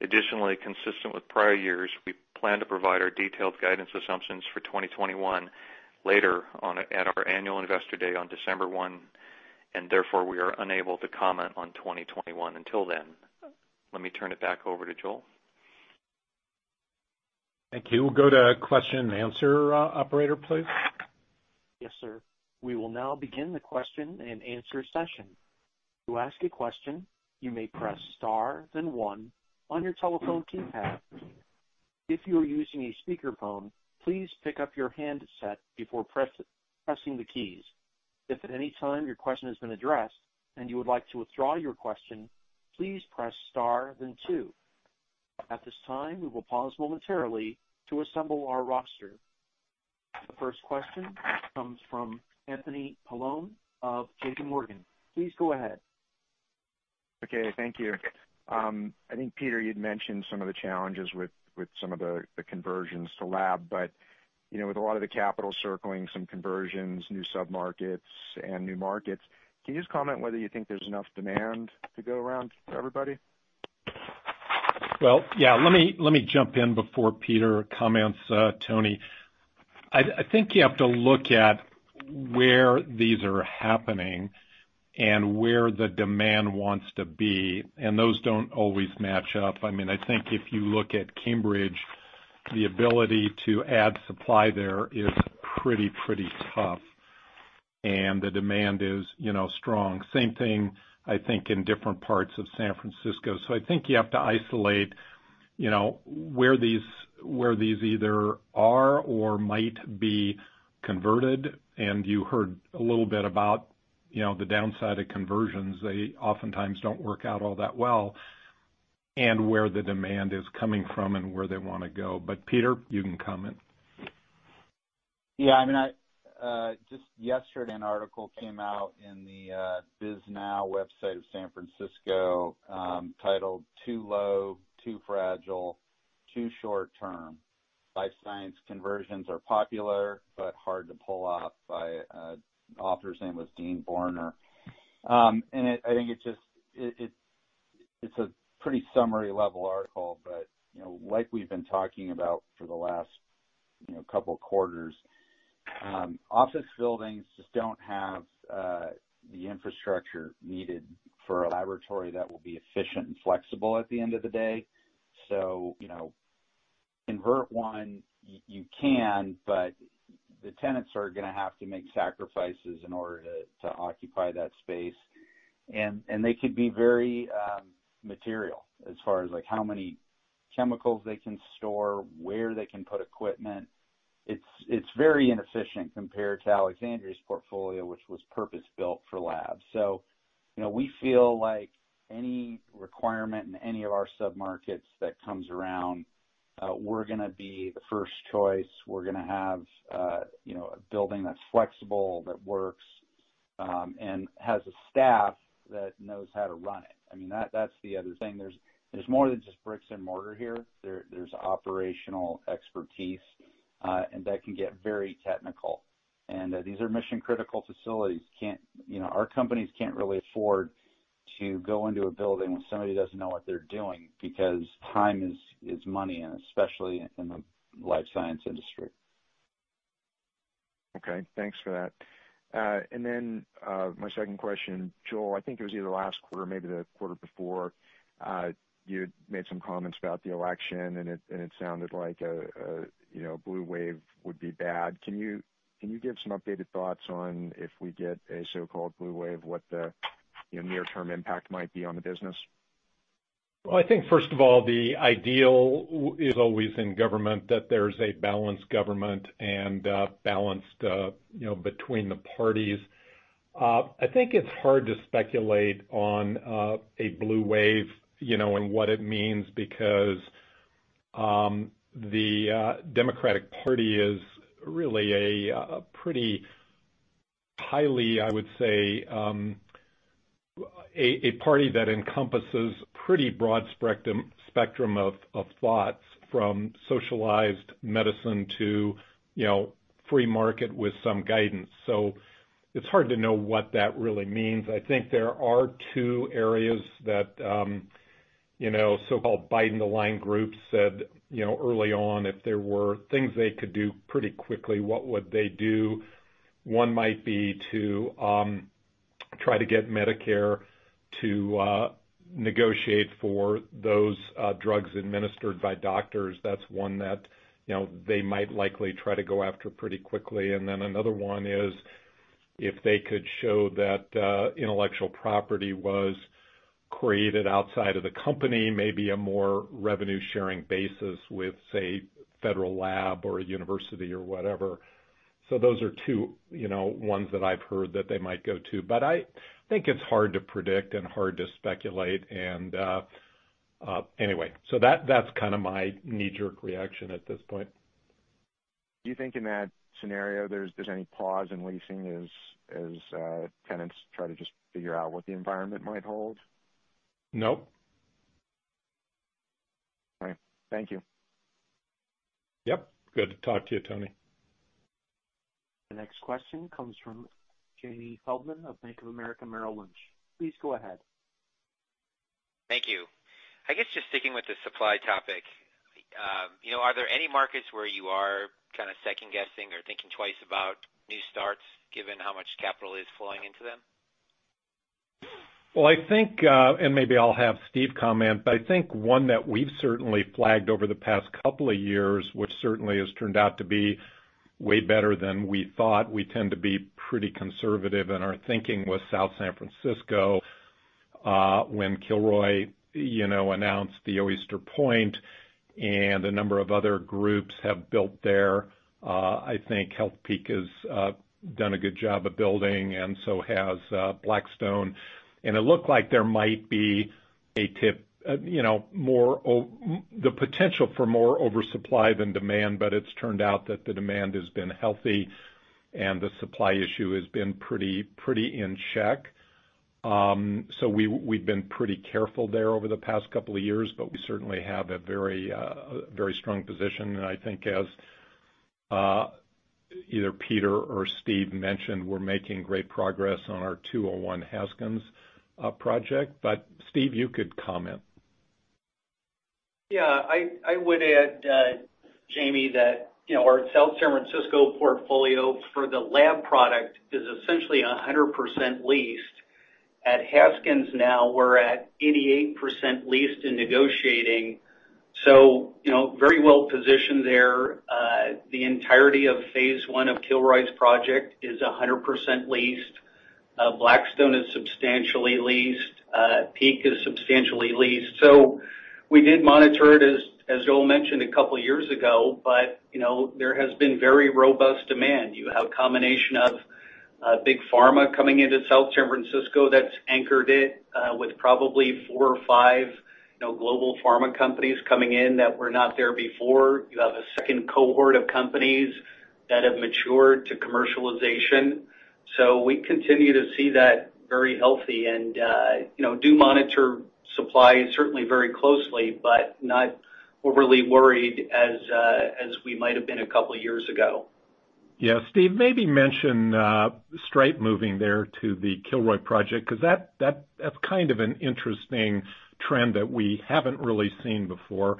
Additionally, consistent with prior years, we plan to provide our detailed guidance assumptions for 2021 later at our annual Investor Day on December 1, and therefore we are unable to comment on 2021 until then. Let me turn it back over to Joel. Thank you. We'll go to question and answer operator, please. Yes, sir. We will now begin the question and answer session. To ask a question, you may press star then one on your telephone keypad. If you are using a speakerphone, please pick up your handset before pressing the keys. If at any time your question has been addressed and you would like to withdraw your question, please press star then two. At this time, we will pause momentarily to assemble our roster. The first question comes from Anthony Paolone of JPMorgan. Please go ahead. Okay. Thank you. I think, Peter, you'd mentioned some of the challenges with some of the conversions to lab, but, with a lot of the capital circling some conversions, new sub-markets, and new markets, can you just comment whether you think there's enough demand to go around for everybody? Well, yeah. Let me jump in before Peter comments, Tony. I think you have to look at where these are happening and where the demand wants to be, and those don't always match up. I think if you look at Cambridge, the ability to add supply there is pretty tough, and the demand is strong. Same thing, I think, in different parts of San Francisco. I think you have to isolate where these either are or might be converted. And you heard a little bit about the downside of conversions. They oftentimes don't work out all that well, and where the demand is coming from and where they want to go. Peter, you can comment. Yeah. Just yesterday, an article came out in the Bisnow website of San Francisco, titled "Too Low, Too Fragile, Too Short Term. Life Science Conversions Are Popular But Hard to Pull Off," by, author's name was Dean Boerner. I think it's a pretty summary level article, but like we've been talking about for the last couple of quarters, office buildings just don't have the infrastructure needed for a laboratory that will be efficient and flexible at the end of the day. Convert one, you can, but the tenants are going to have to make sacrifices in order to occupy that space. They could be very material as far as how many chemicals they can store, where they can put equipment. It's very inefficient compared to Alexandria's portfolio, which was purpose-built for labs. We feel like any requirement in any of our sub-markets that comes around, we're going to be the first choice. We're going to have a building that's flexible, that works, and has a staff that knows how to run it. That's the other thing. There's more than just bricks and mortar here. There's operational expertise, and that can get very technical. These are mission critical facilities. Our companies can't really afford to go into a building when somebody doesn't know what they're doing, because time is money, and especially in the life science industry. Okay, thanks for that. My second question, Joel, I think it was either last quarter, maybe the quarter before, you had made some comments about the election, and it sounded like a blue wave would be bad. Can you give some updated thoughts on if we get a so-called blue wave, what the near-term impact might be on the business? I think first of all, the ideal is always in government, that there's a balanced government and balanced between the parties. I think it's hard to speculate on a blue wave and what it means because the Democratic Party is really a pretty highly, I would say, a party that encompasses pretty broad spectrum of thoughts, from socialized medicine to free market with some guidance. It's hard to know what that really means. I think there are two areas that so-called Biden aligned groups said early on, if there were things they could do pretty quickly, what would they do? One might be to try to get Medicare to negotiate for those drugs administered by doctors. That's one that they might likely try to go after pretty quickly. Another one is if they could show that intellectual property was created outside of the company, maybe a more revenue-sharing basis with, say, federal lab or a university or whatever. Those are two ones that I've heard that they might go to. I think it's hard to predict and hard to speculate, and anyway. That's kind of my knee-jerk reaction at this point. Do you think in that scenario there's any pause in leasing as tenants try to just figure out what the environment might hold? No. All right. Thank you. Yep. Good to talk to you, Tony. The next question comes from Jamie Feldman of Bank of America Merrill Lynch. Please go ahead. Thank you. I guess just sticking with the supply topic. Are there any markets where you are kind of second guessing or thinking twice about new starts, given how much capital is flowing into them? Well, I think, and maybe I'll have Steve comment, but I think one that we've certainly flagged over the past couple of years, which certainly has turned out to be way better than we thought, we tend to be pretty conservative in our thinking, was South San Francisco. When Kilroy announced the Oyster Point. A number of other groups have built there. I think Healthpeak has done a good job of building, and so has Blackstone. It looked like there might be the potential for more oversupply than demand, but it's turned out that the demand has been healthy, and the supply issue has been pretty in check. We've been pretty careful there over the past couple of years, but we certainly have a very strong position. I think as either Peter or Steve mentioned, we're making great progress on our 201 Haskins project. Steve, you could comment. I would add, Jamie, that our South San Francisco portfolio for the lab product is essentially 100% leased. At Haskins now we're at 88% leased and negotiating, very well-positioned there. The entirety of phase one of Kilroy's project is 100% leased. Blackstone is substantially leased. Peak is substantially leased. We did monitor it, as Joel mentioned a couple of years ago, there has been very robust demand. You have a combination of big pharma coming into South San Francisco that's anchored it, with probably four or five global pharma companies coming in that were not there before. You have a second cohort of companies that have matured to commercialization. We continue to see that very healthy and do monitor supply certainly very closely, not overly worried as we might have been a couple of years ago. Yeah. Steve, maybe mention Stripe moving there to the Kilroy project, because that's kind of an interesting trend that we haven't really seen before.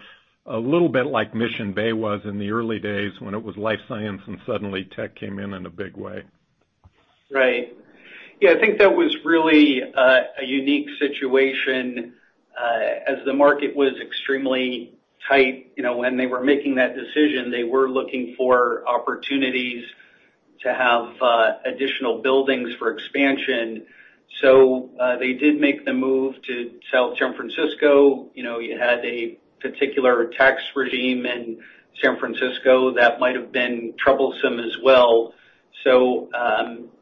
A little bit like Mission Bay was in the early days when it was life science and suddenly tech came in in a big way. Right. Yeah, I think that was really a unique situation, as the market was extremely tight. When they were making that decision, they were looking for opportunities to have additional buildings for expansion. They did make the move to South San Francisco. You had a particular tax regime in San Francisco that might have been troublesome as well.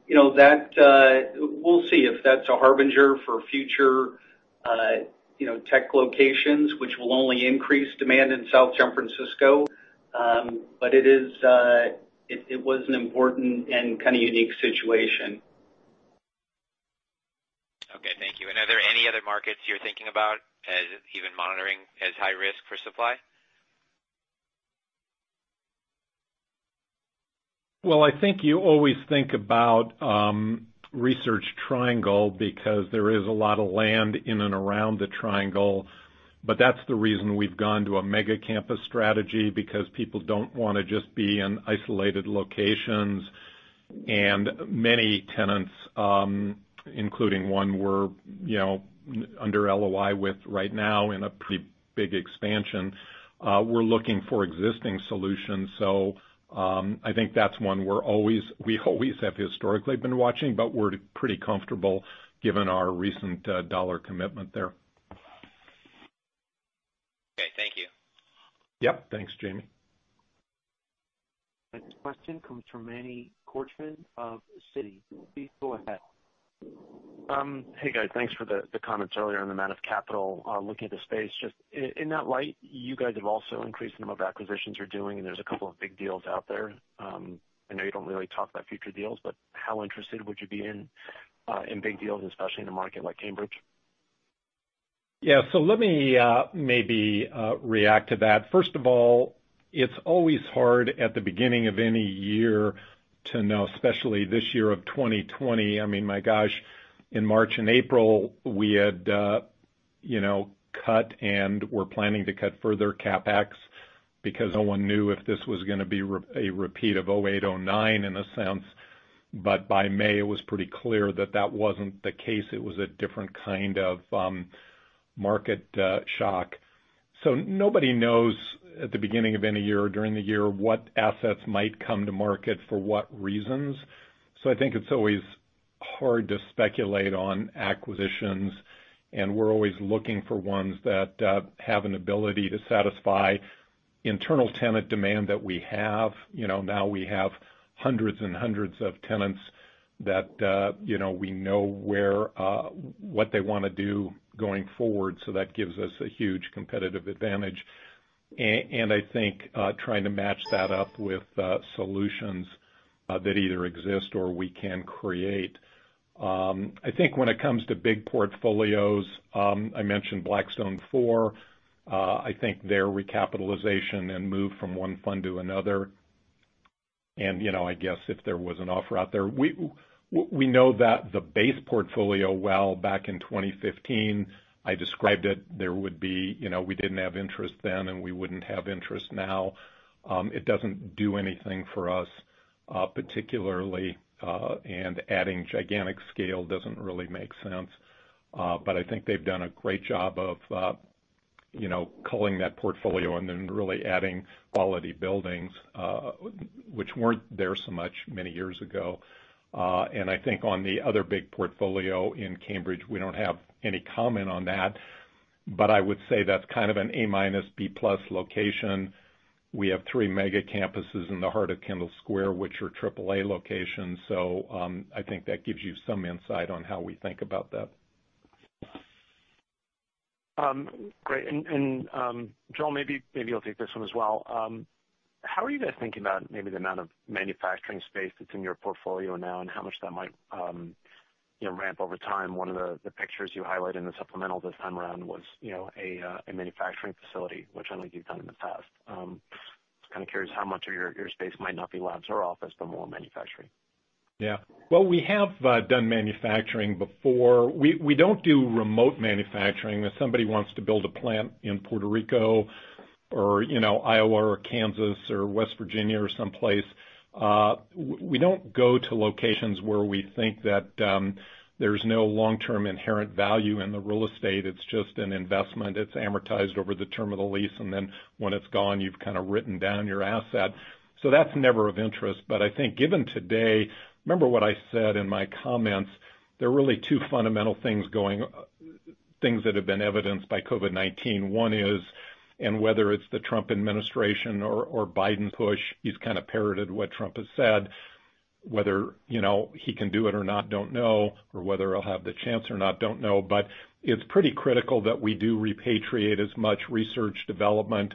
We'll see if that's a harbinger for future tech locations, which will only increase demand in South San Francisco. It was an important and kind of unique situation. Okay, thank you. Are there any other markets you're thinking about as even monitoring as high risk for supply? I think you always think about Research Triangle because there is a lot of land in and around the triangle. That's the reason we've gone to a mega campus strategy, because people don't want to just be in isolated locations. Many tenants, including one we're under LOI with right now in a pretty big expansion, were looking for existing solutions. I think that's one we always have historically been watching, but we're pretty comfortable given our recent dollar commitment there. Okay, thank you. Yep. Thanks, Jamie. Next question comes from Manny Korchman of Citi. Please go ahead. Hey, guys. Thanks for the comments earlier on the amount of capital looking at the space. Just in that light, you guys have also increased the amount of acquisitions you're doing, and there's a couple of big deals out there. I know you don't really talk about future deals, but how interested would you be in big deals, especially in a market like Cambridge? Yeah. Let me maybe react to that. First of all, it's always hard at the beginning of any year to know, especially this year of 2020. I mean, my gosh, in March and April, we had cut and were planning to cut further CapEx because no one knew if this was going to be a repeat of 2008, 2009, in a sense. By May, it was pretty clear that that wasn't the case. It was a different kind of market shock. Nobody knows at the beginning of any year or during the year what assets might come to market for what reasons. I think it's always hard to speculate on acquisitions, and we're always looking for ones that have an ability to satisfy internal tenant demand that we have. We have hundreds and hundreds of tenants that we know what they want to do going forward, so that gives us a huge competitive advantage. I think trying to match that up with solutions that either exist or we can create. I think when it comes to big portfolios, I mentioned Blackstone, I think their recapitalization and move from one fund to another, and I guess if there was an offer out there. We know that the base portfolio well back in 2015. I described it, we didn't have interest then, and we wouldn't have interest now. It doesn't do anything for us particularly, and adding gigantic scale doesn't really make sense. I think they've done a great job of culling that portfolio and then really adding quality buildings, which weren't there so much many years ago. I think on the other big portfolio in Cambridge, we don't have any comment on that. I would say that's kind of an A-, B+ location. We have three mega campuses in the heart of Kendall Square, which are triple A locations. I think that gives you some insight on how we think about that. Great. Joel, maybe you'll take this one as well. How are you guys thinking about maybe the amount of manufacturing space that's in your portfolio now and how much that might ramp over time? One of the pictures you highlighted in the supplemental this time around was a manufacturing facility, which I believe you've done in the past. Just kind of curious how much of your space might not be labs or office, but more manufacturing. Well, we have done manufacturing before. We don't do remote manufacturing. If somebody wants to build a plant in Puerto Rico or Iowa or Kansas or West Virginia or someplace, we don't go to locations where we think that there's no long-term inherent value in the real estate. It's just an investment. It's amortized over the term of the lease, and then when it's gone, you've kind of written down your asset. That's never of interest. I think, given today, remember what I said in my comments, there are really two fundamental things that have been evidenced by COVID-19. One is, whether it's the Trump administration or Biden push, he's kind of parroted what Trump has said. Whether he can do it or not, don't know, or whether he'll have the chance or not, don't know. It's pretty critical that we do repatriate as much research, development,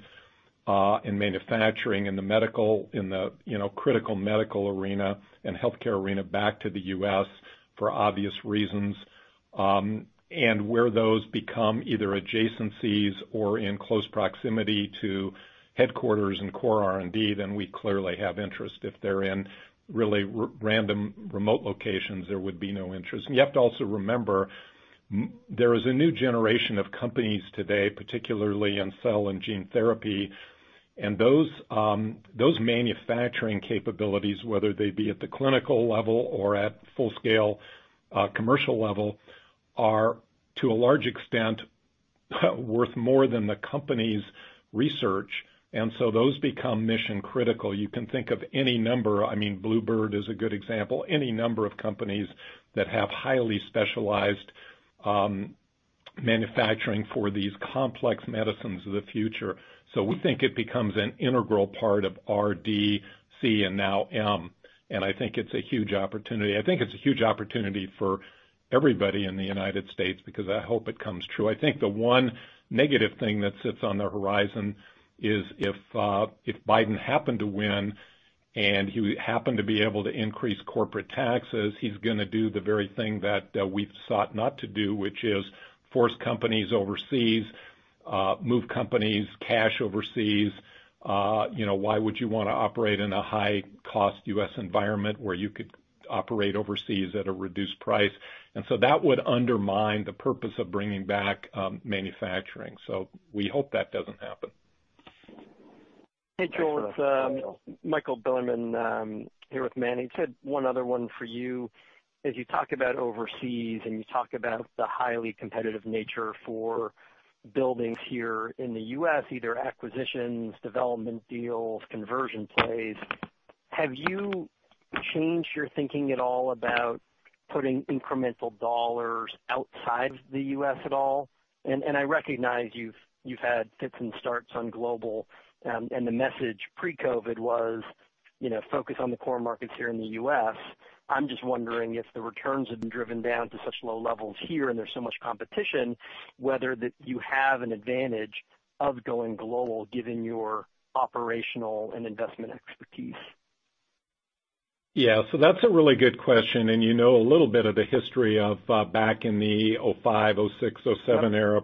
and manufacturing in the critical medical arena and healthcare arena back to the U.S. for obvious reasons. Where those become either adjacencies or in close proximity to headquarters and core R&D, then we clearly have interest. If they're in really random, remote locations, there would be no interest. You have to also remember, there is a new generation of companies today, particularly in cell and gene therapy. Those manufacturing capabilities, whether they be at the clinical level or at full scale commercial level, are, to a large extent, worth more than the company's research, and so those become mission critical. You can think of any number, bluebird is a good example, any number of companies that have highly specialized manufacturing for these complex medicines of the future. We think it becomes an integral part of RDC and now M. I think it's a huge opportunity. I think it's a huge opportunity for everybody in the United States because I hope it comes true. I think the one negative thing that sits on the horizon is if Biden happened to win and he happened to be able to increase corporate taxes, he's going to do the very thing that we've sought not to do, which is force companies overseas, move companies' cash overseas. Why would you want to operate in a high-cost U.S. environment where you could operate overseas at a reduced price? That would undermine the purpose of bringing back manufacturing. We hope that doesn't happen. Hey, Joel. It's Michael Bilerman here with [Manning]. Just had one other one for you. As you talk about overseas and you talk about the highly competitive nature for buildings here in the U.S., either acquisitions, development deals, conversion plays, have you changed your thinking at all about putting incremental dollar outside the U.S. at all? I recognize you've had fits and starts on global, and the message pre-COVID was focus on the core markets here in the U.S. I'm just wondering if the returns have been driven down to such low levels here and there's so much competition, whether you have an advantage of going global, given your operational and investment expertise. Yeah. That's a really good question, and you know a little bit of the history of back in the 2005, 2006, 2007 era,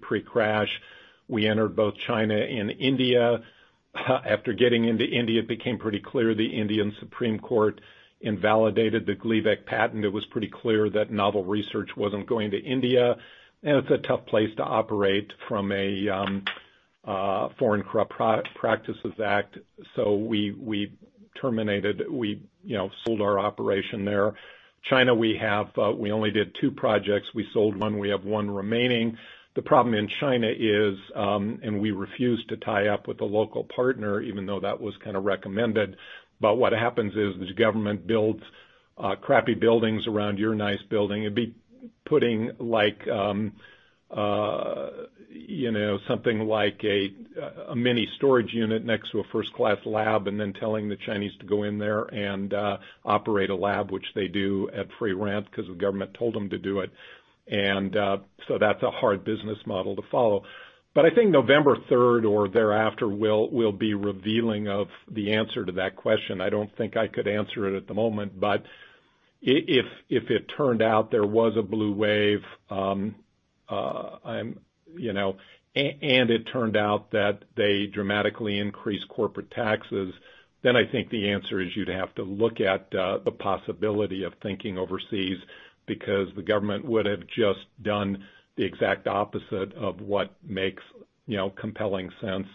pre-crash. We entered both China and India. After getting into India, it became pretty clear the Indian Supreme Court invalidated the Gleevec patent. It was pretty clear that novel research wasn't going to India. It's a tough place to operate from a Foreign Corrupt Practices Act. We terminated. We sold our operation there. China, we only did two projects. We sold one. We have one remaining. The problem in China is, and we refuse to tie up with a local partner, even though that was kind of recommended. What happens is the government builds crappy buildings around your nice building. It'd be putting something like a mini storage unit next to a first class lab and then telling the Chinese to go in there and operate a lab, which they do at free rent because the government told them to do it. That's a hard business model to follow. I think November 3rd or thereafter will be revealing of the answer to that question. I don't think I could answer it at the moment, but if it turned out there was a blue wave, and it turned out that they dramatically increased corporate taxes, then I think the answer is you'd have to look at the possibility of thinking overseas because the government would have just done the exact opposite of what makes compelling sense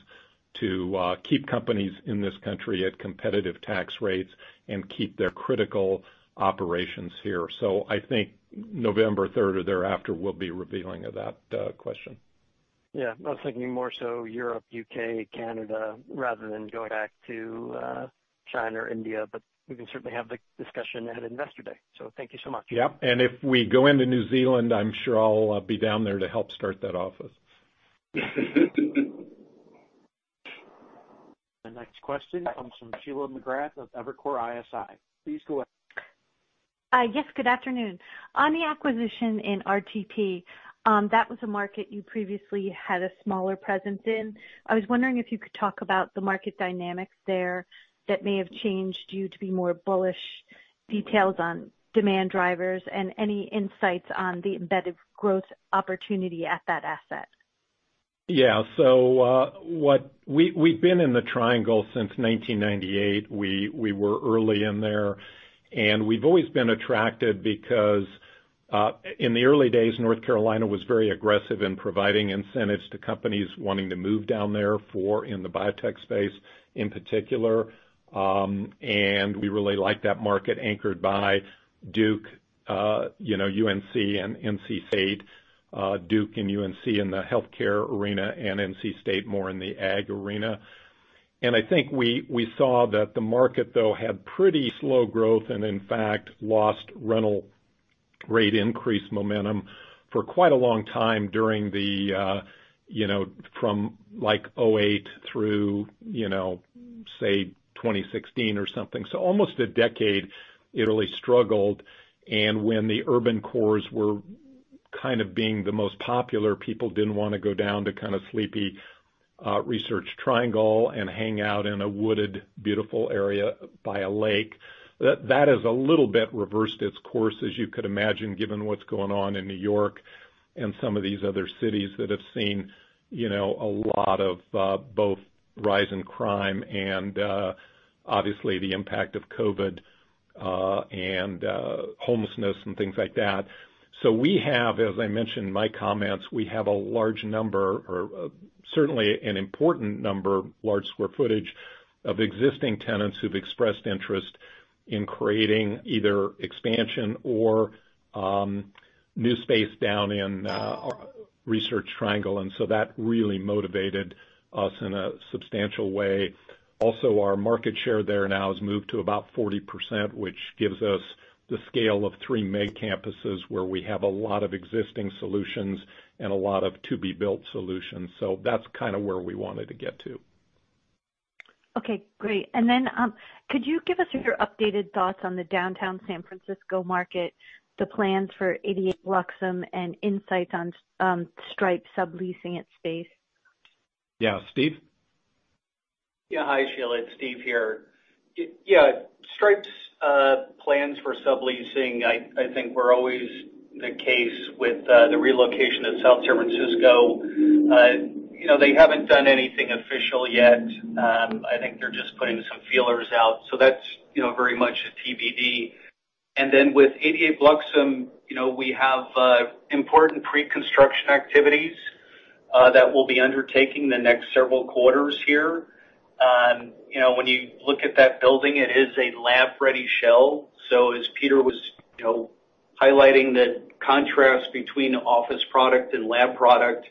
to keep companies in this country at competitive tax rates and keep their critical operations here. I think November third or thereafter will be revealing of that question. Yeah. I was thinking more so Europe, U.K., Canada, rather than going back to China or India. We can certainly have the discussion at Investor Day. Thank you so much. Yep. If we go into New Zealand, I'm sure I'll be down there to help start that office. The next question comes from Sheila McGrath of Evercore ISI. Please go ahead. Yes, good afternoon. On the acquisition in RTP, that was a market you previously had a smaller presence in. I was wondering if you could talk about the market dynamics there that may have changed you to be more bullish, details on demand drivers, and any insights on the embedded growth opportunity at that asset. Yeah. We've been in the Triangle since 1998. We were early in there, we've always been attracted because, in the early days, North Carolina was very aggressive in providing incentives to companies wanting to move down there, in the biotech space in particular. We really like that market anchored by Duke, UNC, and NC State. Duke and UNC in the healthcare arena, NC State more in the ag arena. I think we saw that the market, though, had pretty slow growth and, in fact, lost rental rate increase momentum for quite a long time from 2008 through, say, 2016 or something. Almost a decade, it really struggled. When the urban cores were kind of being the most popular, people didn't want to go down to kind of sleepy Research Triangle and hang out in a wooded, beautiful area by a lake. That has a little bit reversed its course, as you could imagine, given what's going on in New York and some of these other cities that have seen a lot of both rise in crime and obviously the impact of COVID and homelessness and things like that. We have, as I mentioned in my comments, we have a large number or certainly an important number, large square footage of existing tenants who've expressed interest in creating either expansion or new space down in Research Triangle. That really motivated us in a substantial way. Also, our market share there now has moved to about 40%, which gives us the scale of three main campuses where we have a lot of existing solutions and a lot of to-be-built solutions. That's kind of where we wanted to get to. Okay, great. Could you give us your updated thoughts on the downtown San Francisco market, the plans for 88 Bluxome and insights on Stripe subleasing its space? Yeah. Steve? Hi, Sheila. It's Steve here. Stripe's plans for subleasing, I think were always the case with the relocation of South San Francisco. They haven't done anything official yet. I think they're just putting some feelers out. That's very much a TBD. With 88 Bluxome, we have important pre-construction activities that we'll be undertaking the next several quarters here. When you look at that building, it is a lab-ready shell. As Peter was highlighting the contrast between office product and lab product,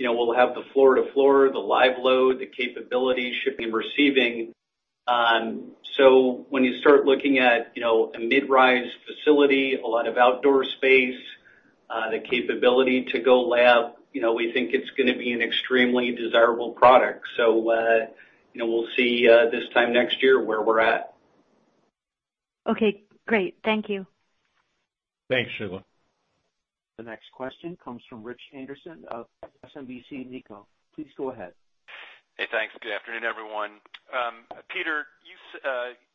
we'll have the floor-to-floor, the live load, the capability, shipping and receiving. When you start looking at a mid-rise facility, a lot of outdoor space, the capability to go lab, we think it's going to be an extremely desirable product. We'll see this time next year where we're at. Okay, great. Thank you. Thanks, Sheila. The next question comes from Rich Anderson of SMBC Nikko. Please go ahead. Hey, thanks. Good afternoon, everyone. Peter, you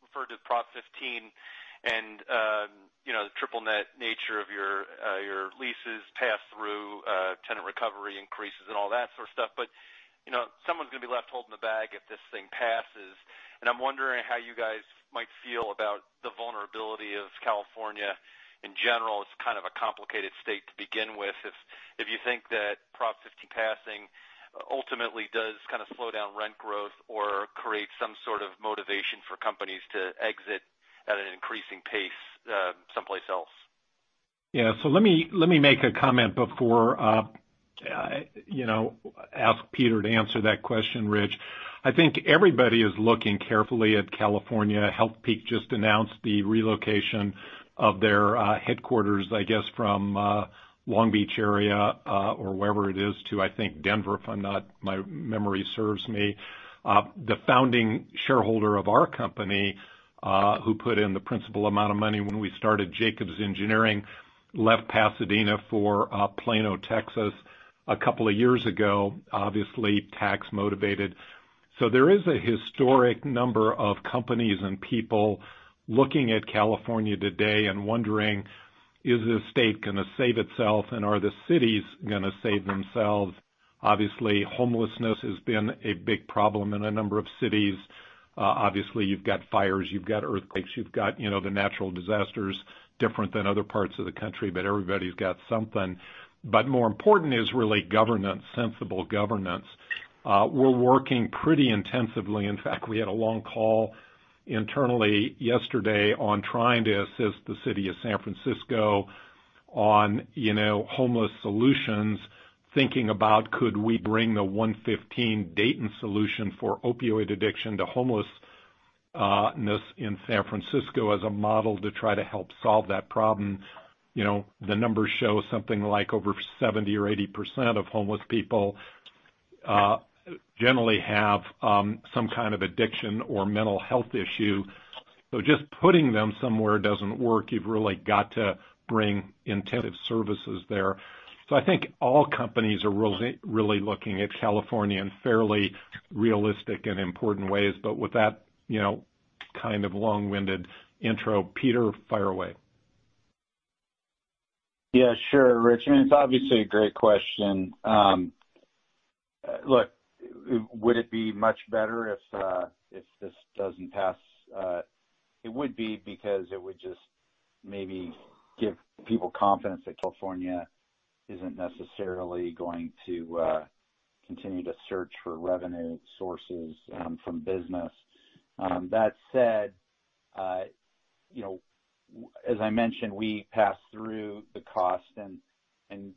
referred to Prop 15 and the triple net nature of your leases pass through tenant recovery increases and all that sort of stuff. Someone's going to be left holding the bag if this thing passes. I'm wondering how you guys might feel about the vulnerability of California in general. It's kind of a complicated state to begin with. If you think that Prop 15 passing ultimately does kind of slow down rent growth or create some sort of motivation for companies to exit at an increasing pace someplace else. Yeah. Let me make a comment before I ask Peter to answer that question, Rich. I think everybody is looking carefully at California. Healthpeak Properties just announced the relocation of their headquarters, I guess, from Long Beach area, or wherever it is, to, I think, Denver, if my memory serves me. The founding shareholder of our company, who put in the principal amount of money when we started Jacobs Engineering, left Pasadena for Plano, Texas, a couple of years ago, obviously tax motivated. There is a historic number of companies and people looking at California today and wondering, "Is the state going to save itself, and are the cities going to save themselves?" Obviously, homelessness has been a big problem in a number of cities. Obviously, you've got fires, you've got earthquakes, you've got the natural disasters, different than other parts of the country, but everybody's got something. More important is really governance, sensible governance. We're working pretty intensively. In fact, we had a long call internally yesterday on trying to assist the city of San Francisco on homeless solutions, thinking about could we bring the OneFifteen Dayton solution for opioid addiction to homelessness in San Francisco as a model to try to help solve that problem. The numbers show something like over 70% or 80% of homeless people generally have some kind of addiction or mental health issue. Just putting them somewhere doesn't work. You've really got to bring intensive services there. I think all companies are really looking at California in fairly realistic and important ways, but with that kind of long-winded intro, Peter, fire away. Yeah, sure, Rich. It's obviously a great question. Look, would it be much better if this doesn't pass? It would be, because it would just maybe give people confidence that California isn't necessarily going to continue to search for revenue sources from business. That said, as I mentioned, we pass through the cost and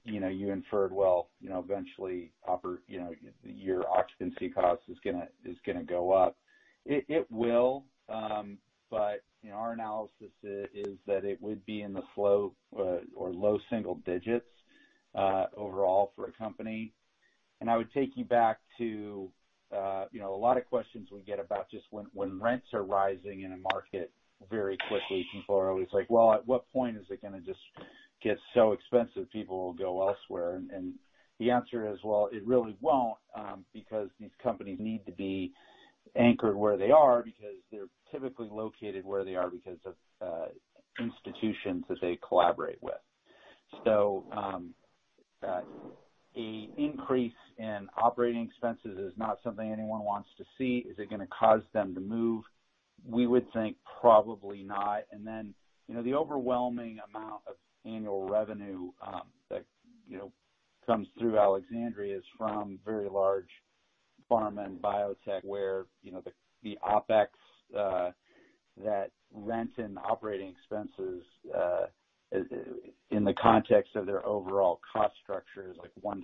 you inferred, well, eventually, your occupancy cost is going to go up. It will, but our analysis is that it would be in the slow or low single digits overall for a company. I would take you back to a lot of questions we get about just when rents are rising in a market very quickly, people are always like, "Well, at what point is it going to just get so expensive people will go elsewhere?" The answer is, well, it really won't, because these companies need to be anchored where they are, because they're typically located where they are because of institutions that they collaborate with. An increase in operating expenses is not something anyone wants to see. Is it going to cause them to move? We would think probably not. The overwhelming amount of annual revenue that comes through Alexandria is from very large pharma and biotech, where the OpEx, that rent and operating expenses in the context of their overall cost structure is 1%-3%.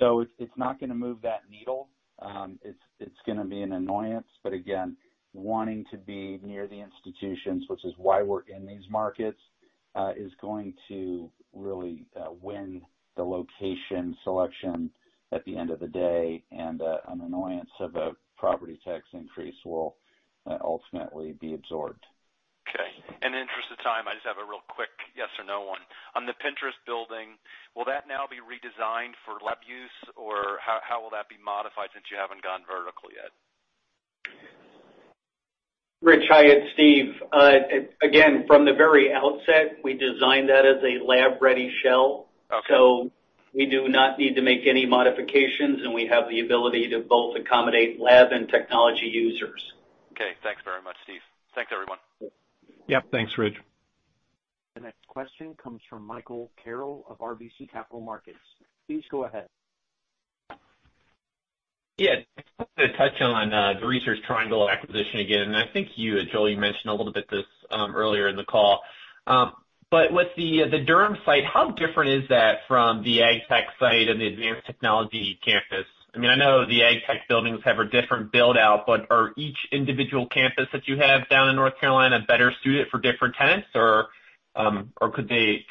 It's not going to move that needle. It's going to be an annoyance, but again, wanting to be near the institutions, which is why we're in these markets, is going to really win the location selection at the end of the day. An annoyance of a property tax increase will ultimately be absorbed. Okay. In the interest of time, I just have a real quick yes or no one. On the Pinterest building, will that now be redesigned for lab use, or how will that be modified since you haven't gone vertical yet? Rich, hi. It's Steve. Again, from the very outset, we designed that as a lab-ready shell. Okay. We do not need to make any modifications, and we have the ability to both accommodate lab and technology users. Okay. Thanks very much, Steve. Thanks, everyone. Yep. Thanks, Rich. The next question comes from Michael Carroll of RBC Capital Markets. Please go ahead. Yeah. I just wanted to touch on the Research Triangle acquisition again, and I think you, Joel, mentioned a little bit this earlier in the call. With the Durham site, how different is that from the AgTech site and the Advanced Technology Campus? I know the AgTech buildings have a different build-out. Are each individual campus that you have down in North Carolina better suited for different tenants, or could they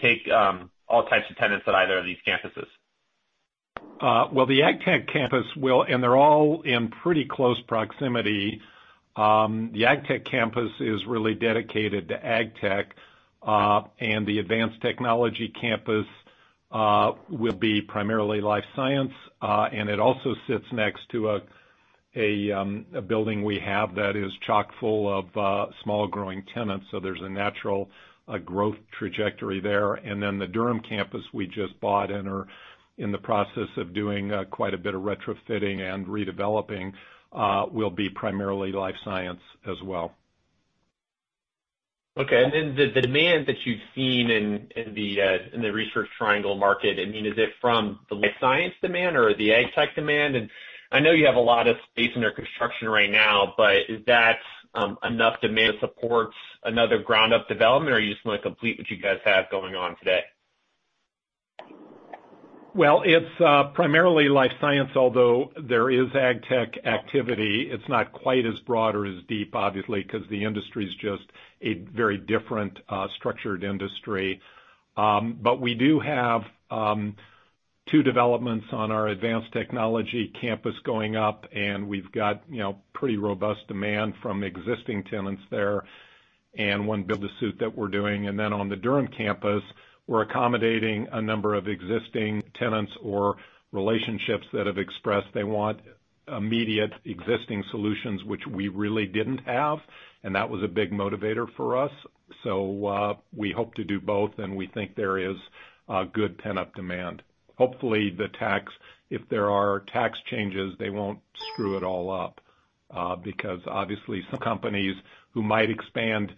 take all types of tenants at either of these campuses? Well, the AgTech campus will. They're all in pretty close proximity. The AgTech campus is really dedicated to AgTech. The Advanced Technology campus will be primarily life science. It also sits next to a building we have that is chock-full of small growing tenants. There's a natural growth trajectory there. The Durham campus we just bought and are in the process of doing quite a bit of retrofitting and redeveloping, will be primarily life science as well. Okay. The demand that you've seen in the Research Triangle market, is it from the life science demand or the AgTech demand? I know you have a lot of space under construction right now, but is that enough demand to support another ground-up development, or are you just going to complete what you guys have going on today? Well, it's primarily life science, although there is AgTech activity. We do have two developments on our Advanced Technology Campus going up, and we've got pretty robust demand from existing tenants there, and one build to suit that we're doing. On the Durham campus, we're accommodating a number of existing tenants or relationships that have expressed they want immediate existing solutions, which we really didn't have, and that was a big motivator for us. We hope to do both, and we think there is good tenant demand. Hopefully, if there are tax changes, they won't screw it all up. Obviously, some companies who might expand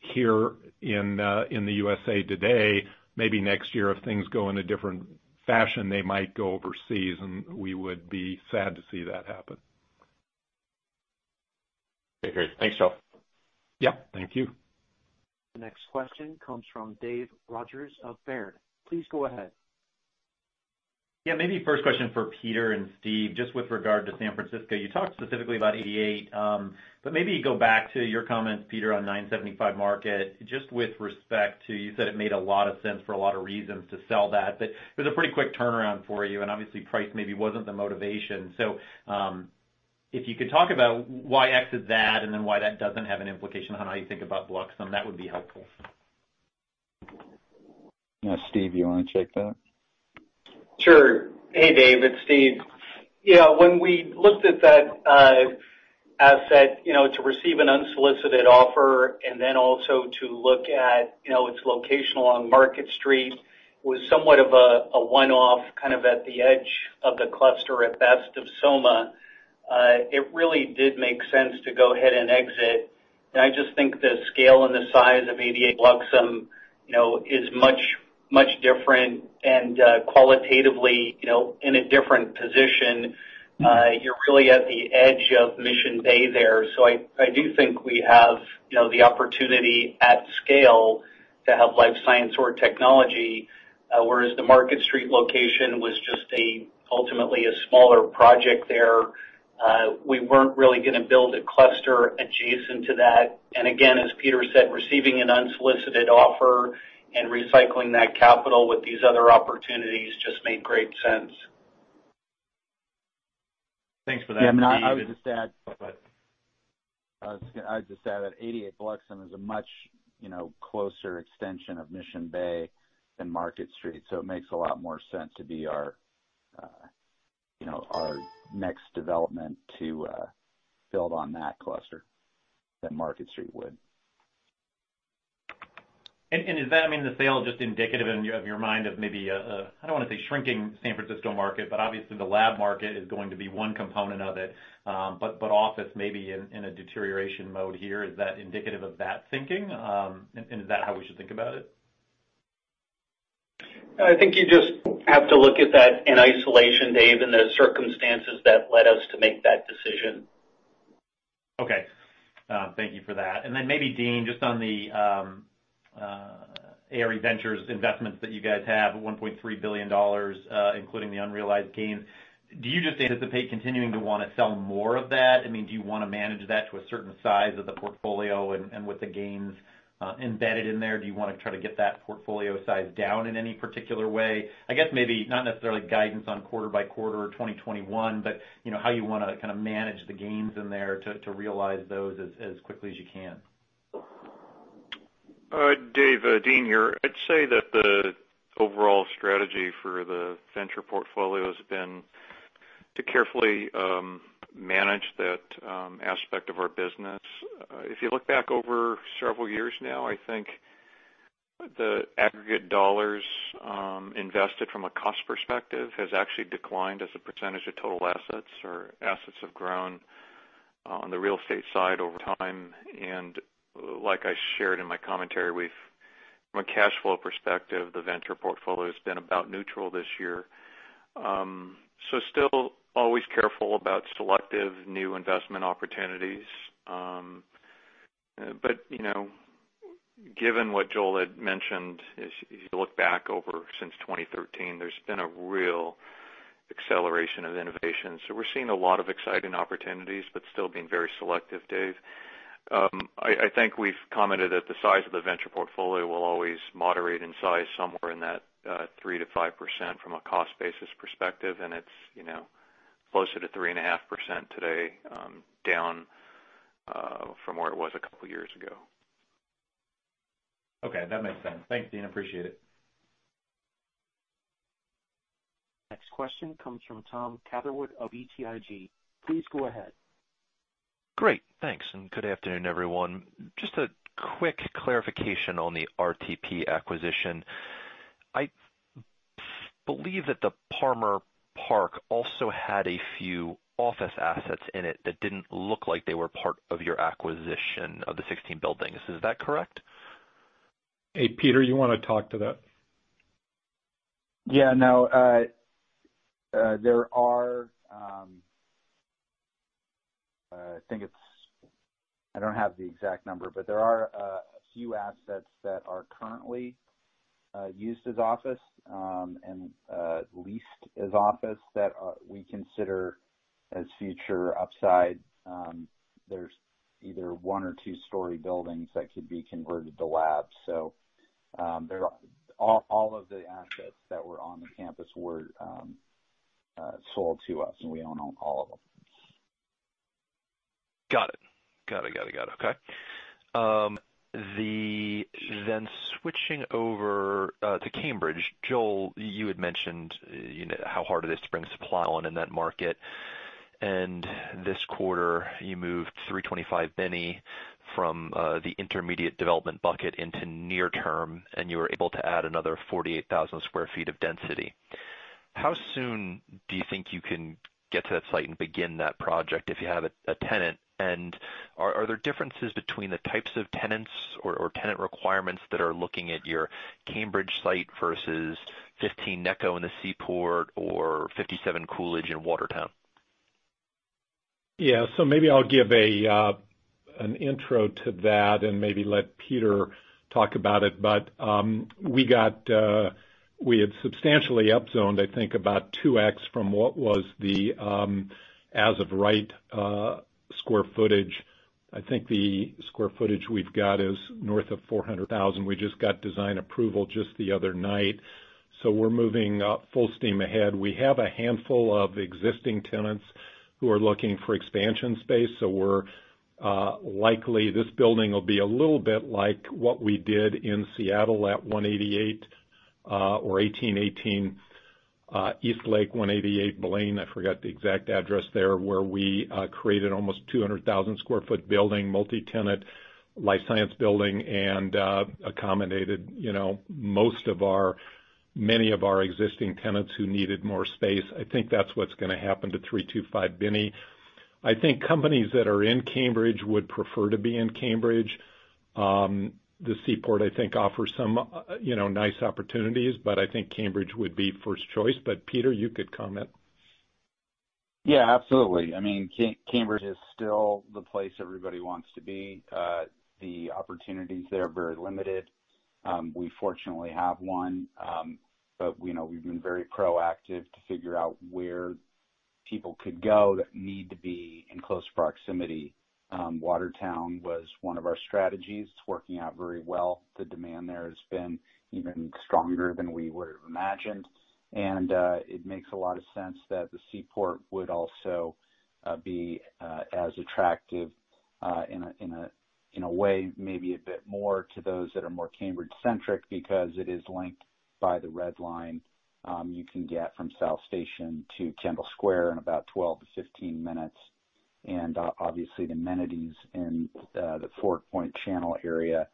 here in the U.S.A. today, maybe next year, if things go in a different fashion, they might go overseas, and we would be sad to see that happen. Okay, great. Thanks, Joel. Yep. Thank you. The next question comes from Dave Rodgers of Baird. Please go ahead. Yeah. Maybe first question for Peter and Steve, just with regard to San Francisco. You talked specifically about 88, but maybe go back to your comments, Peter, on 975 Market, just with respect to, you said it made a lot of sense for a lot of reasons to sell that. It was a pretty quick turnaround for you, and obviously price maybe wasn't the motivation. If you could talk about why exit that, and then why that doesn't have an implication on how you think about Bluxome, that would be helpful. Steve, you want to take that? Sure. Hey, Dave, it's Steve. When we looked at that asset to receive an unsolicited offer and then also to look at its location along Market Street was somewhat of a one-off, kind of at the edge of the cluster at best of SoMa. It really did make sense to go ahead and exit. I just think the scale and the size of 88 Bluxome is much different and qualitatively in a different position. You're really at the edge of Mission Bay there. I do think we have the opportunity at scale to have life science or technology. Whereas the Market Street location was just ultimately a smaller project there. We weren't really going to build a cluster adjacent to that. Again, as Peter said, receiving an unsolicited offer and recycling that capital with these other opportunities just made great sense. Thanks for that. Yeah. I would just add that 88 Bluxome is a much closer extension of Mission Bay than Market Street. It makes a lot more sense to be our next development to build on that cluster than Market Street would. Is the sale just indicative in your mind of maybe, I don't want to say shrinking San Francisco market, but obviously the lab market is going to be one component of it. Office may be in a deterioration mode here. Is that indicative of that thinking? Is that how we should think about it? I think you just have to look at that in isolation, Dave, and the circumstances that led us to make that decision. Okay. Thank you for that. Then maybe, Dean, just on the ARE Ventures investments that you guys have, $1.3 billion, including the unrealized gains. Do you just anticipate continuing to want to sell more of that? Do you want to manage that to a certain size of the portfolio and with the gains embedded in there? Do you want to try to get that portfolio size down in any particular way? I guess maybe not necessarily guidance on quarter-by-quarter or 2021, but how you want to kind of manage the gains in there to realize those as quickly as you can. Dave, Dean here. I'd say that the overall strategy for the venture portfolio has been to carefully manage that aspect of our business. If you look back over several years now, I think the aggregate dollars invested from a cost perspective has actually declined as a percentage of total assets, or assets have grown on the real estate side over time. Like I shared in my commentary, from a cash flow perspective, the venture portfolio has been about neutral this year. Still always careful about selective new investment opportunities. Given what Joel had mentioned, as you look back over since 2013, there's been a real acceleration of innovation. We're seeing a lot of exciting opportunities, but still being very selective, Dave. I think we've commented that the size of the venture portfolio will always moderate in size somewhere in that 3% to 5% from a cost basis perspective, and it's closer to 3.5% today, down from where it was a couple of years ago. Okay, that makes sense. Thanks, Dean, appreciate it. Next question comes from Tom Catherwood of BTIG. Please go ahead. Great. Thanks, good afternoon, everyone. Just a quick clarification on the RTP acquisition. I believe that the Parmer Park also had a few office assets in it that didn't look like they were part of your acquisition of the 16 buildings. Is that correct? Hey, Peter, you want to talk to that? Yeah. No, I don't have the exact number, but there are a few assets that are currently used as office, and leased as office that we consider as future upside. There's either one or two-story buildings that could be converted to labs. All of the assets that were on the campus were sold to us, and we own all of them. Got it. Okay. Switching over to Cambridge. Joel, you had mentioned how hard it is to bring supply on in that market. This quarter, you moved 325 Binney from the intermediate development bucket into near term, and you were able to add another 48,000 sq ft of density. How soon do you think you can get to that site and begin that project if you have a tenant? Are there differences between the types of tenants or tenant requirements that are looking at your Cambridge site versus 15 Necco in the Seaport or 57 Coolidge in Watertown? Maybe I'll give an intro to that and maybe let Peter talk about it, but we had substantially up zoned, I think about 2x from what was the as of right square footage. I think the square footage we've got is north of 400,000. We just got design approval just the other night, we're moving full steam ahead. We have a handful of existing tenants who are looking for expansion space, likely this building will be a little bit like what we did in Seattle at 1818 Eastlake, 188 Blaine, I forgot the exact address there, where we created almost 200,000 square foot building, multi-tenant, life science building, and accommodated many of our existing tenants who needed more space. I think that's what's going to happen to 325 Binney. I think companies that are in Cambridge would prefer to be in Cambridge. The Seaport, I think offers some nice opportunities, but I think Cambridge would be first choice. Peter, you could comment. Yeah, absolutely. Cambridge is still the place everybody wants to be. The opportunities there are very limited. We've been very proactive to figure out where people could go that need to be in close proximity. Watertown was one of our strategies. It's working out very well. The demand there has been even stronger than we would've imagined. It makes a lot of sense that the Seaport would also be as attractive, in a way, maybe a bit more to those that are more Cambridge centric because it is linked by the Red Line. You can get from South Station to Kendall Square in about 12-15 minutes. Obviously the amenities in the Fort Point Channel area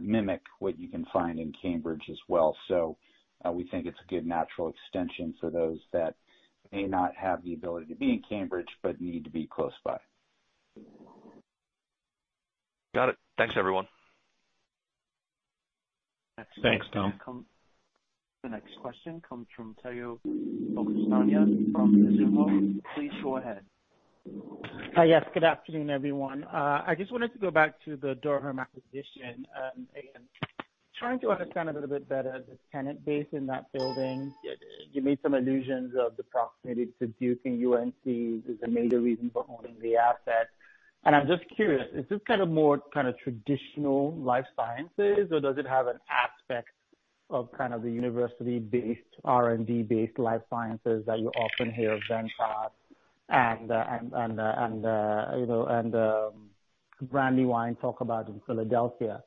mimic what you can find in Cambridge as well. We think it's a good natural extension for those that may not have the ability to be in Cambridge, but need to be close by. Got it. Thanks, everyone. Thanks, Tom. The next question comes from Tayo Okusanya from Mizuho. Please go ahead. Hi. Yes, good afternoon, everyone. I just wanted to go back to the Durham acquisition. Trying to understand a little bit better the tenant base in that building. You made some allusions of the proximity to Duke and UNC is a major reason for owning the asset, and I'm just curious, is this more kind of traditional life sciences or does it have an aspect of kind of the university-based, R&D based life sciences that you often hear Ventas and Brandywine talk about in Philadelphia?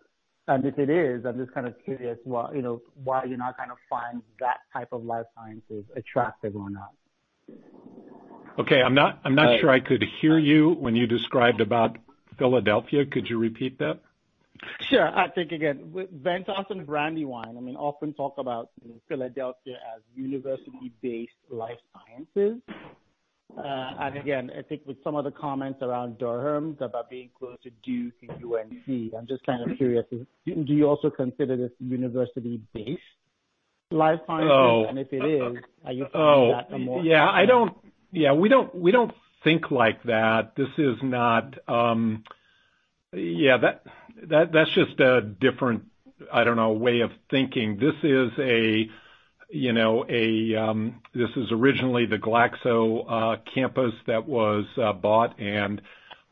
If it is, I'm just kind of curious why you're not finding that type of life sciences attractive or not. Okay. I'm not sure I could hear you when you described about Philadelphia. Could you repeat that? Sure. I'll take again. Ventas and Brandywine, often talk about Philadelphia as university-based life sciences. Again, I think with some of the comments around Durham about being close to Duke and UNC, I'm just kind of curious, do you also consider this university-based life sciences? Oh. If it is, are you planning that or more? Yeah. We don't think like that. That's just a different way of thinking. This is originally the Glaxo campus that was bought and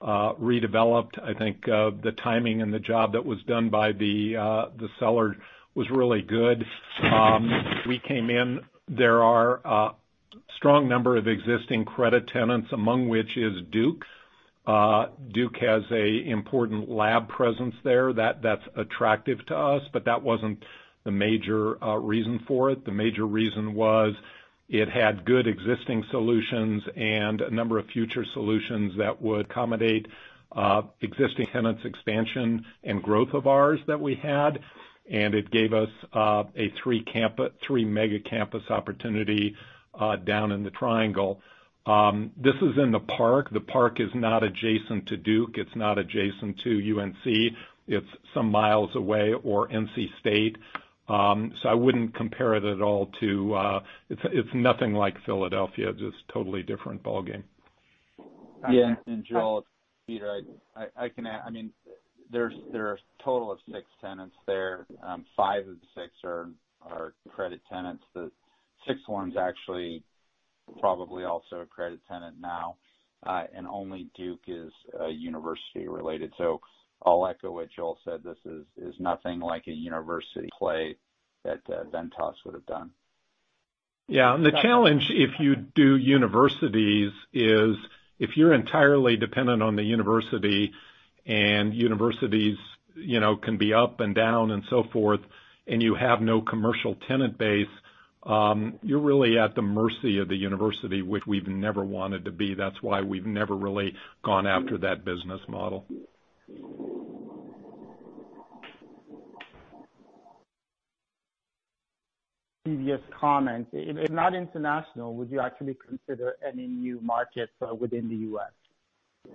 redeveloped. I think the timing and the job that was done by the seller was really good. We came in, there are a strong number of existing credit tenants, among which is Duke. Duke has an important lab presence there that's attractive to us, but that wasn't the major reason for it. The major reason was it had good existing solutions and a number of future solutions that would accommodate existing tenants expansion and growth of ours that we had. It gave us a three mega campus opportunity down in the Triangle. This is in the Park. The Park is not adjacent to Duke. It's not adjacent to UNC. It's some miles away or NC State. I wouldn't compare it at all. It's nothing like Philadelphia. Just totally different ballgame. Yeah. Joel, it's Peter. There are a total of six tenants there. Five of the six are credit tenants. The sixth one actually probably also a credit tenant now. Only Duke is university related. I'll echo what Joel said. This is nothing like a university play that Ventas would have done. Yeah. The challenge if you do universities is if you're entirely dependent on the university and universities can be up and down and so forth, and you have no commercial tenant base, you're really at the mercy of the university, which we've never wanted to be. That's why we've never really gone after that business model. Previous comment. If not international, would you actually consider any new markets within the U.S.?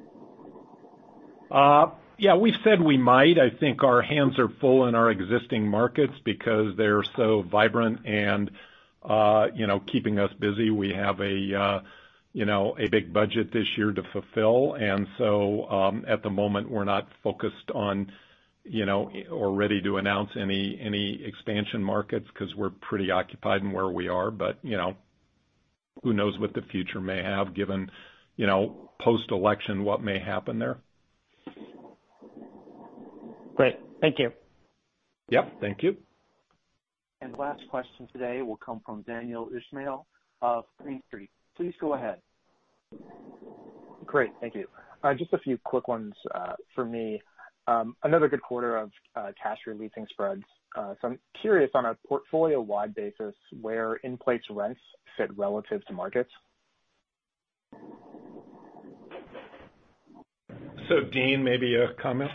Yeah. We've said we might. I think our hands are full in our existing markets because they're so vibrant and keeping us busy. We have a big budget this year to fulfill. At the moment, we're not focused on or ready to announce any expansion markets, because we're pretty occupied in where we are. Who knows what the future may have given, post-election, what may happen there. Great. Thank you. Yep. Thank you. Last question today will come from Daniel Ismail of Green Street. Please go ahead. Great. Thank you. Just a few quick ones for me. Another good quarter of cash releasing spreads. I'm curious, on a portfolio-wide basis, where in-place rents fit relative to markets. Dean, maybe a comment.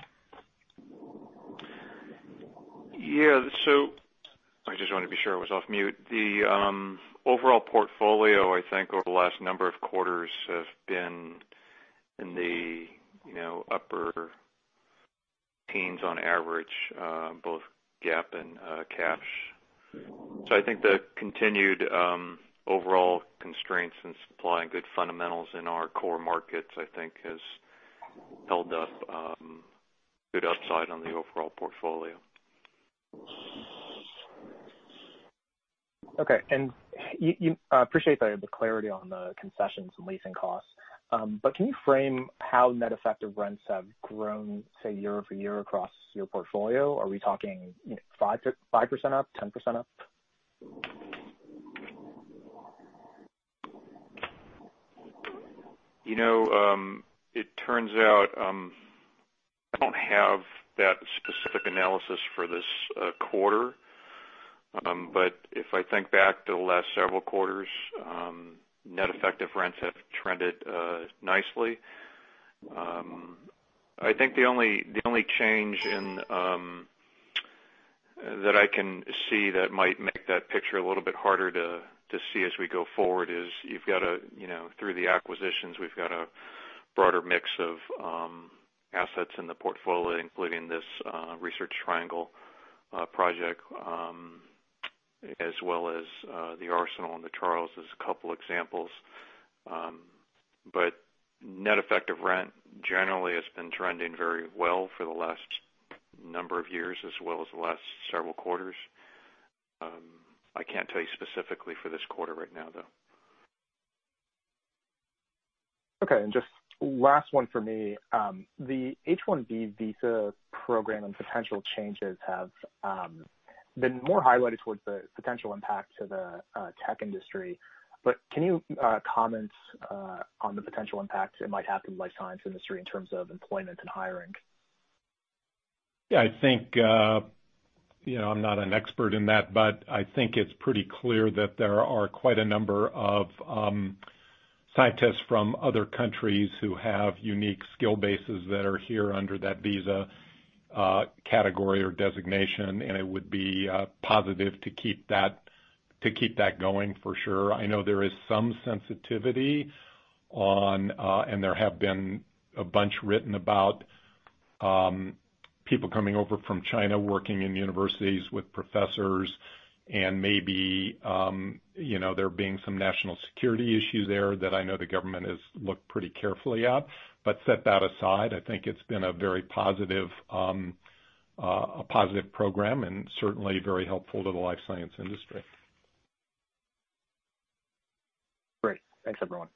I just wanted to be sure I was off mute. The overall portfolio, I think, over the last number of quarters, have been in the upper teens on average, both GAAP and cash. I think the continued overall constraints in supply and good fundamentals in our core markets, I think, has held up good upside on the overall portfolio. Okay. Appreciate the clarity on the concessions and leasing costs. Can you frame how net effective rents have grown, say, year-over-year across your portfolio? Are we talking 5% up, 10% up? It turns out, I don't have that specific analysis for this quarter. If I think back to the last several quarters, net effective rents have trended nicely. I think the only change that I can see that might make that picture a little bit harder to see as we go forward is, through the acquisitions, we've got a broader mix of assets in the portfolio, including this Research Triangle project, as well as The Arsenal on the Charles, as a couple examples. Net effective rent generally has been trending very well for the last number of years, as well as the last several quarters. I can't tell you specifically for this quarter right now, though. Okay. Just last one for me. The H-1B visa program and potential changes have been more highlighted towards the potential impact to the tech industry. Can you comment on the potential impact it might have to the life science industry in terms of employment and hiring? Yeah. I'm not an expert in that, but I think it's pretty clear that there are quite a number of scientists from other countries who have unique skill bases that are here under that visa category or designation, and it would be positive to keep that going for sure. I know there is some sensitivity on, and there have been a bunch written about, people coming over from China, working in universities with professors, and maybe there being some national security issues there that I know the government has looked pretty carefully at. Set that aside, I think it's been a very positive program and certainly very helpful to the life science industry. Great. Thanks, everyone.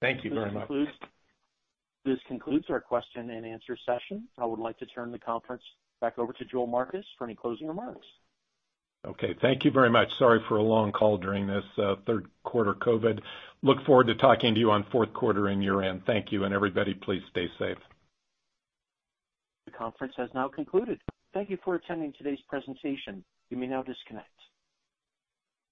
Thank you very much. This concludes our question and answer session. I would like to turn the conference back over to Joel Marcus for any closing remarks. Okay. Thank you very much. Sorry for a long call during this third quarter, COVID. Look forward to talking to you on fourth quarter and year-end. Thank you, and everybody please stay safe. The conference has now concluded. Thank you for attending today's presentation. You may now disconnect.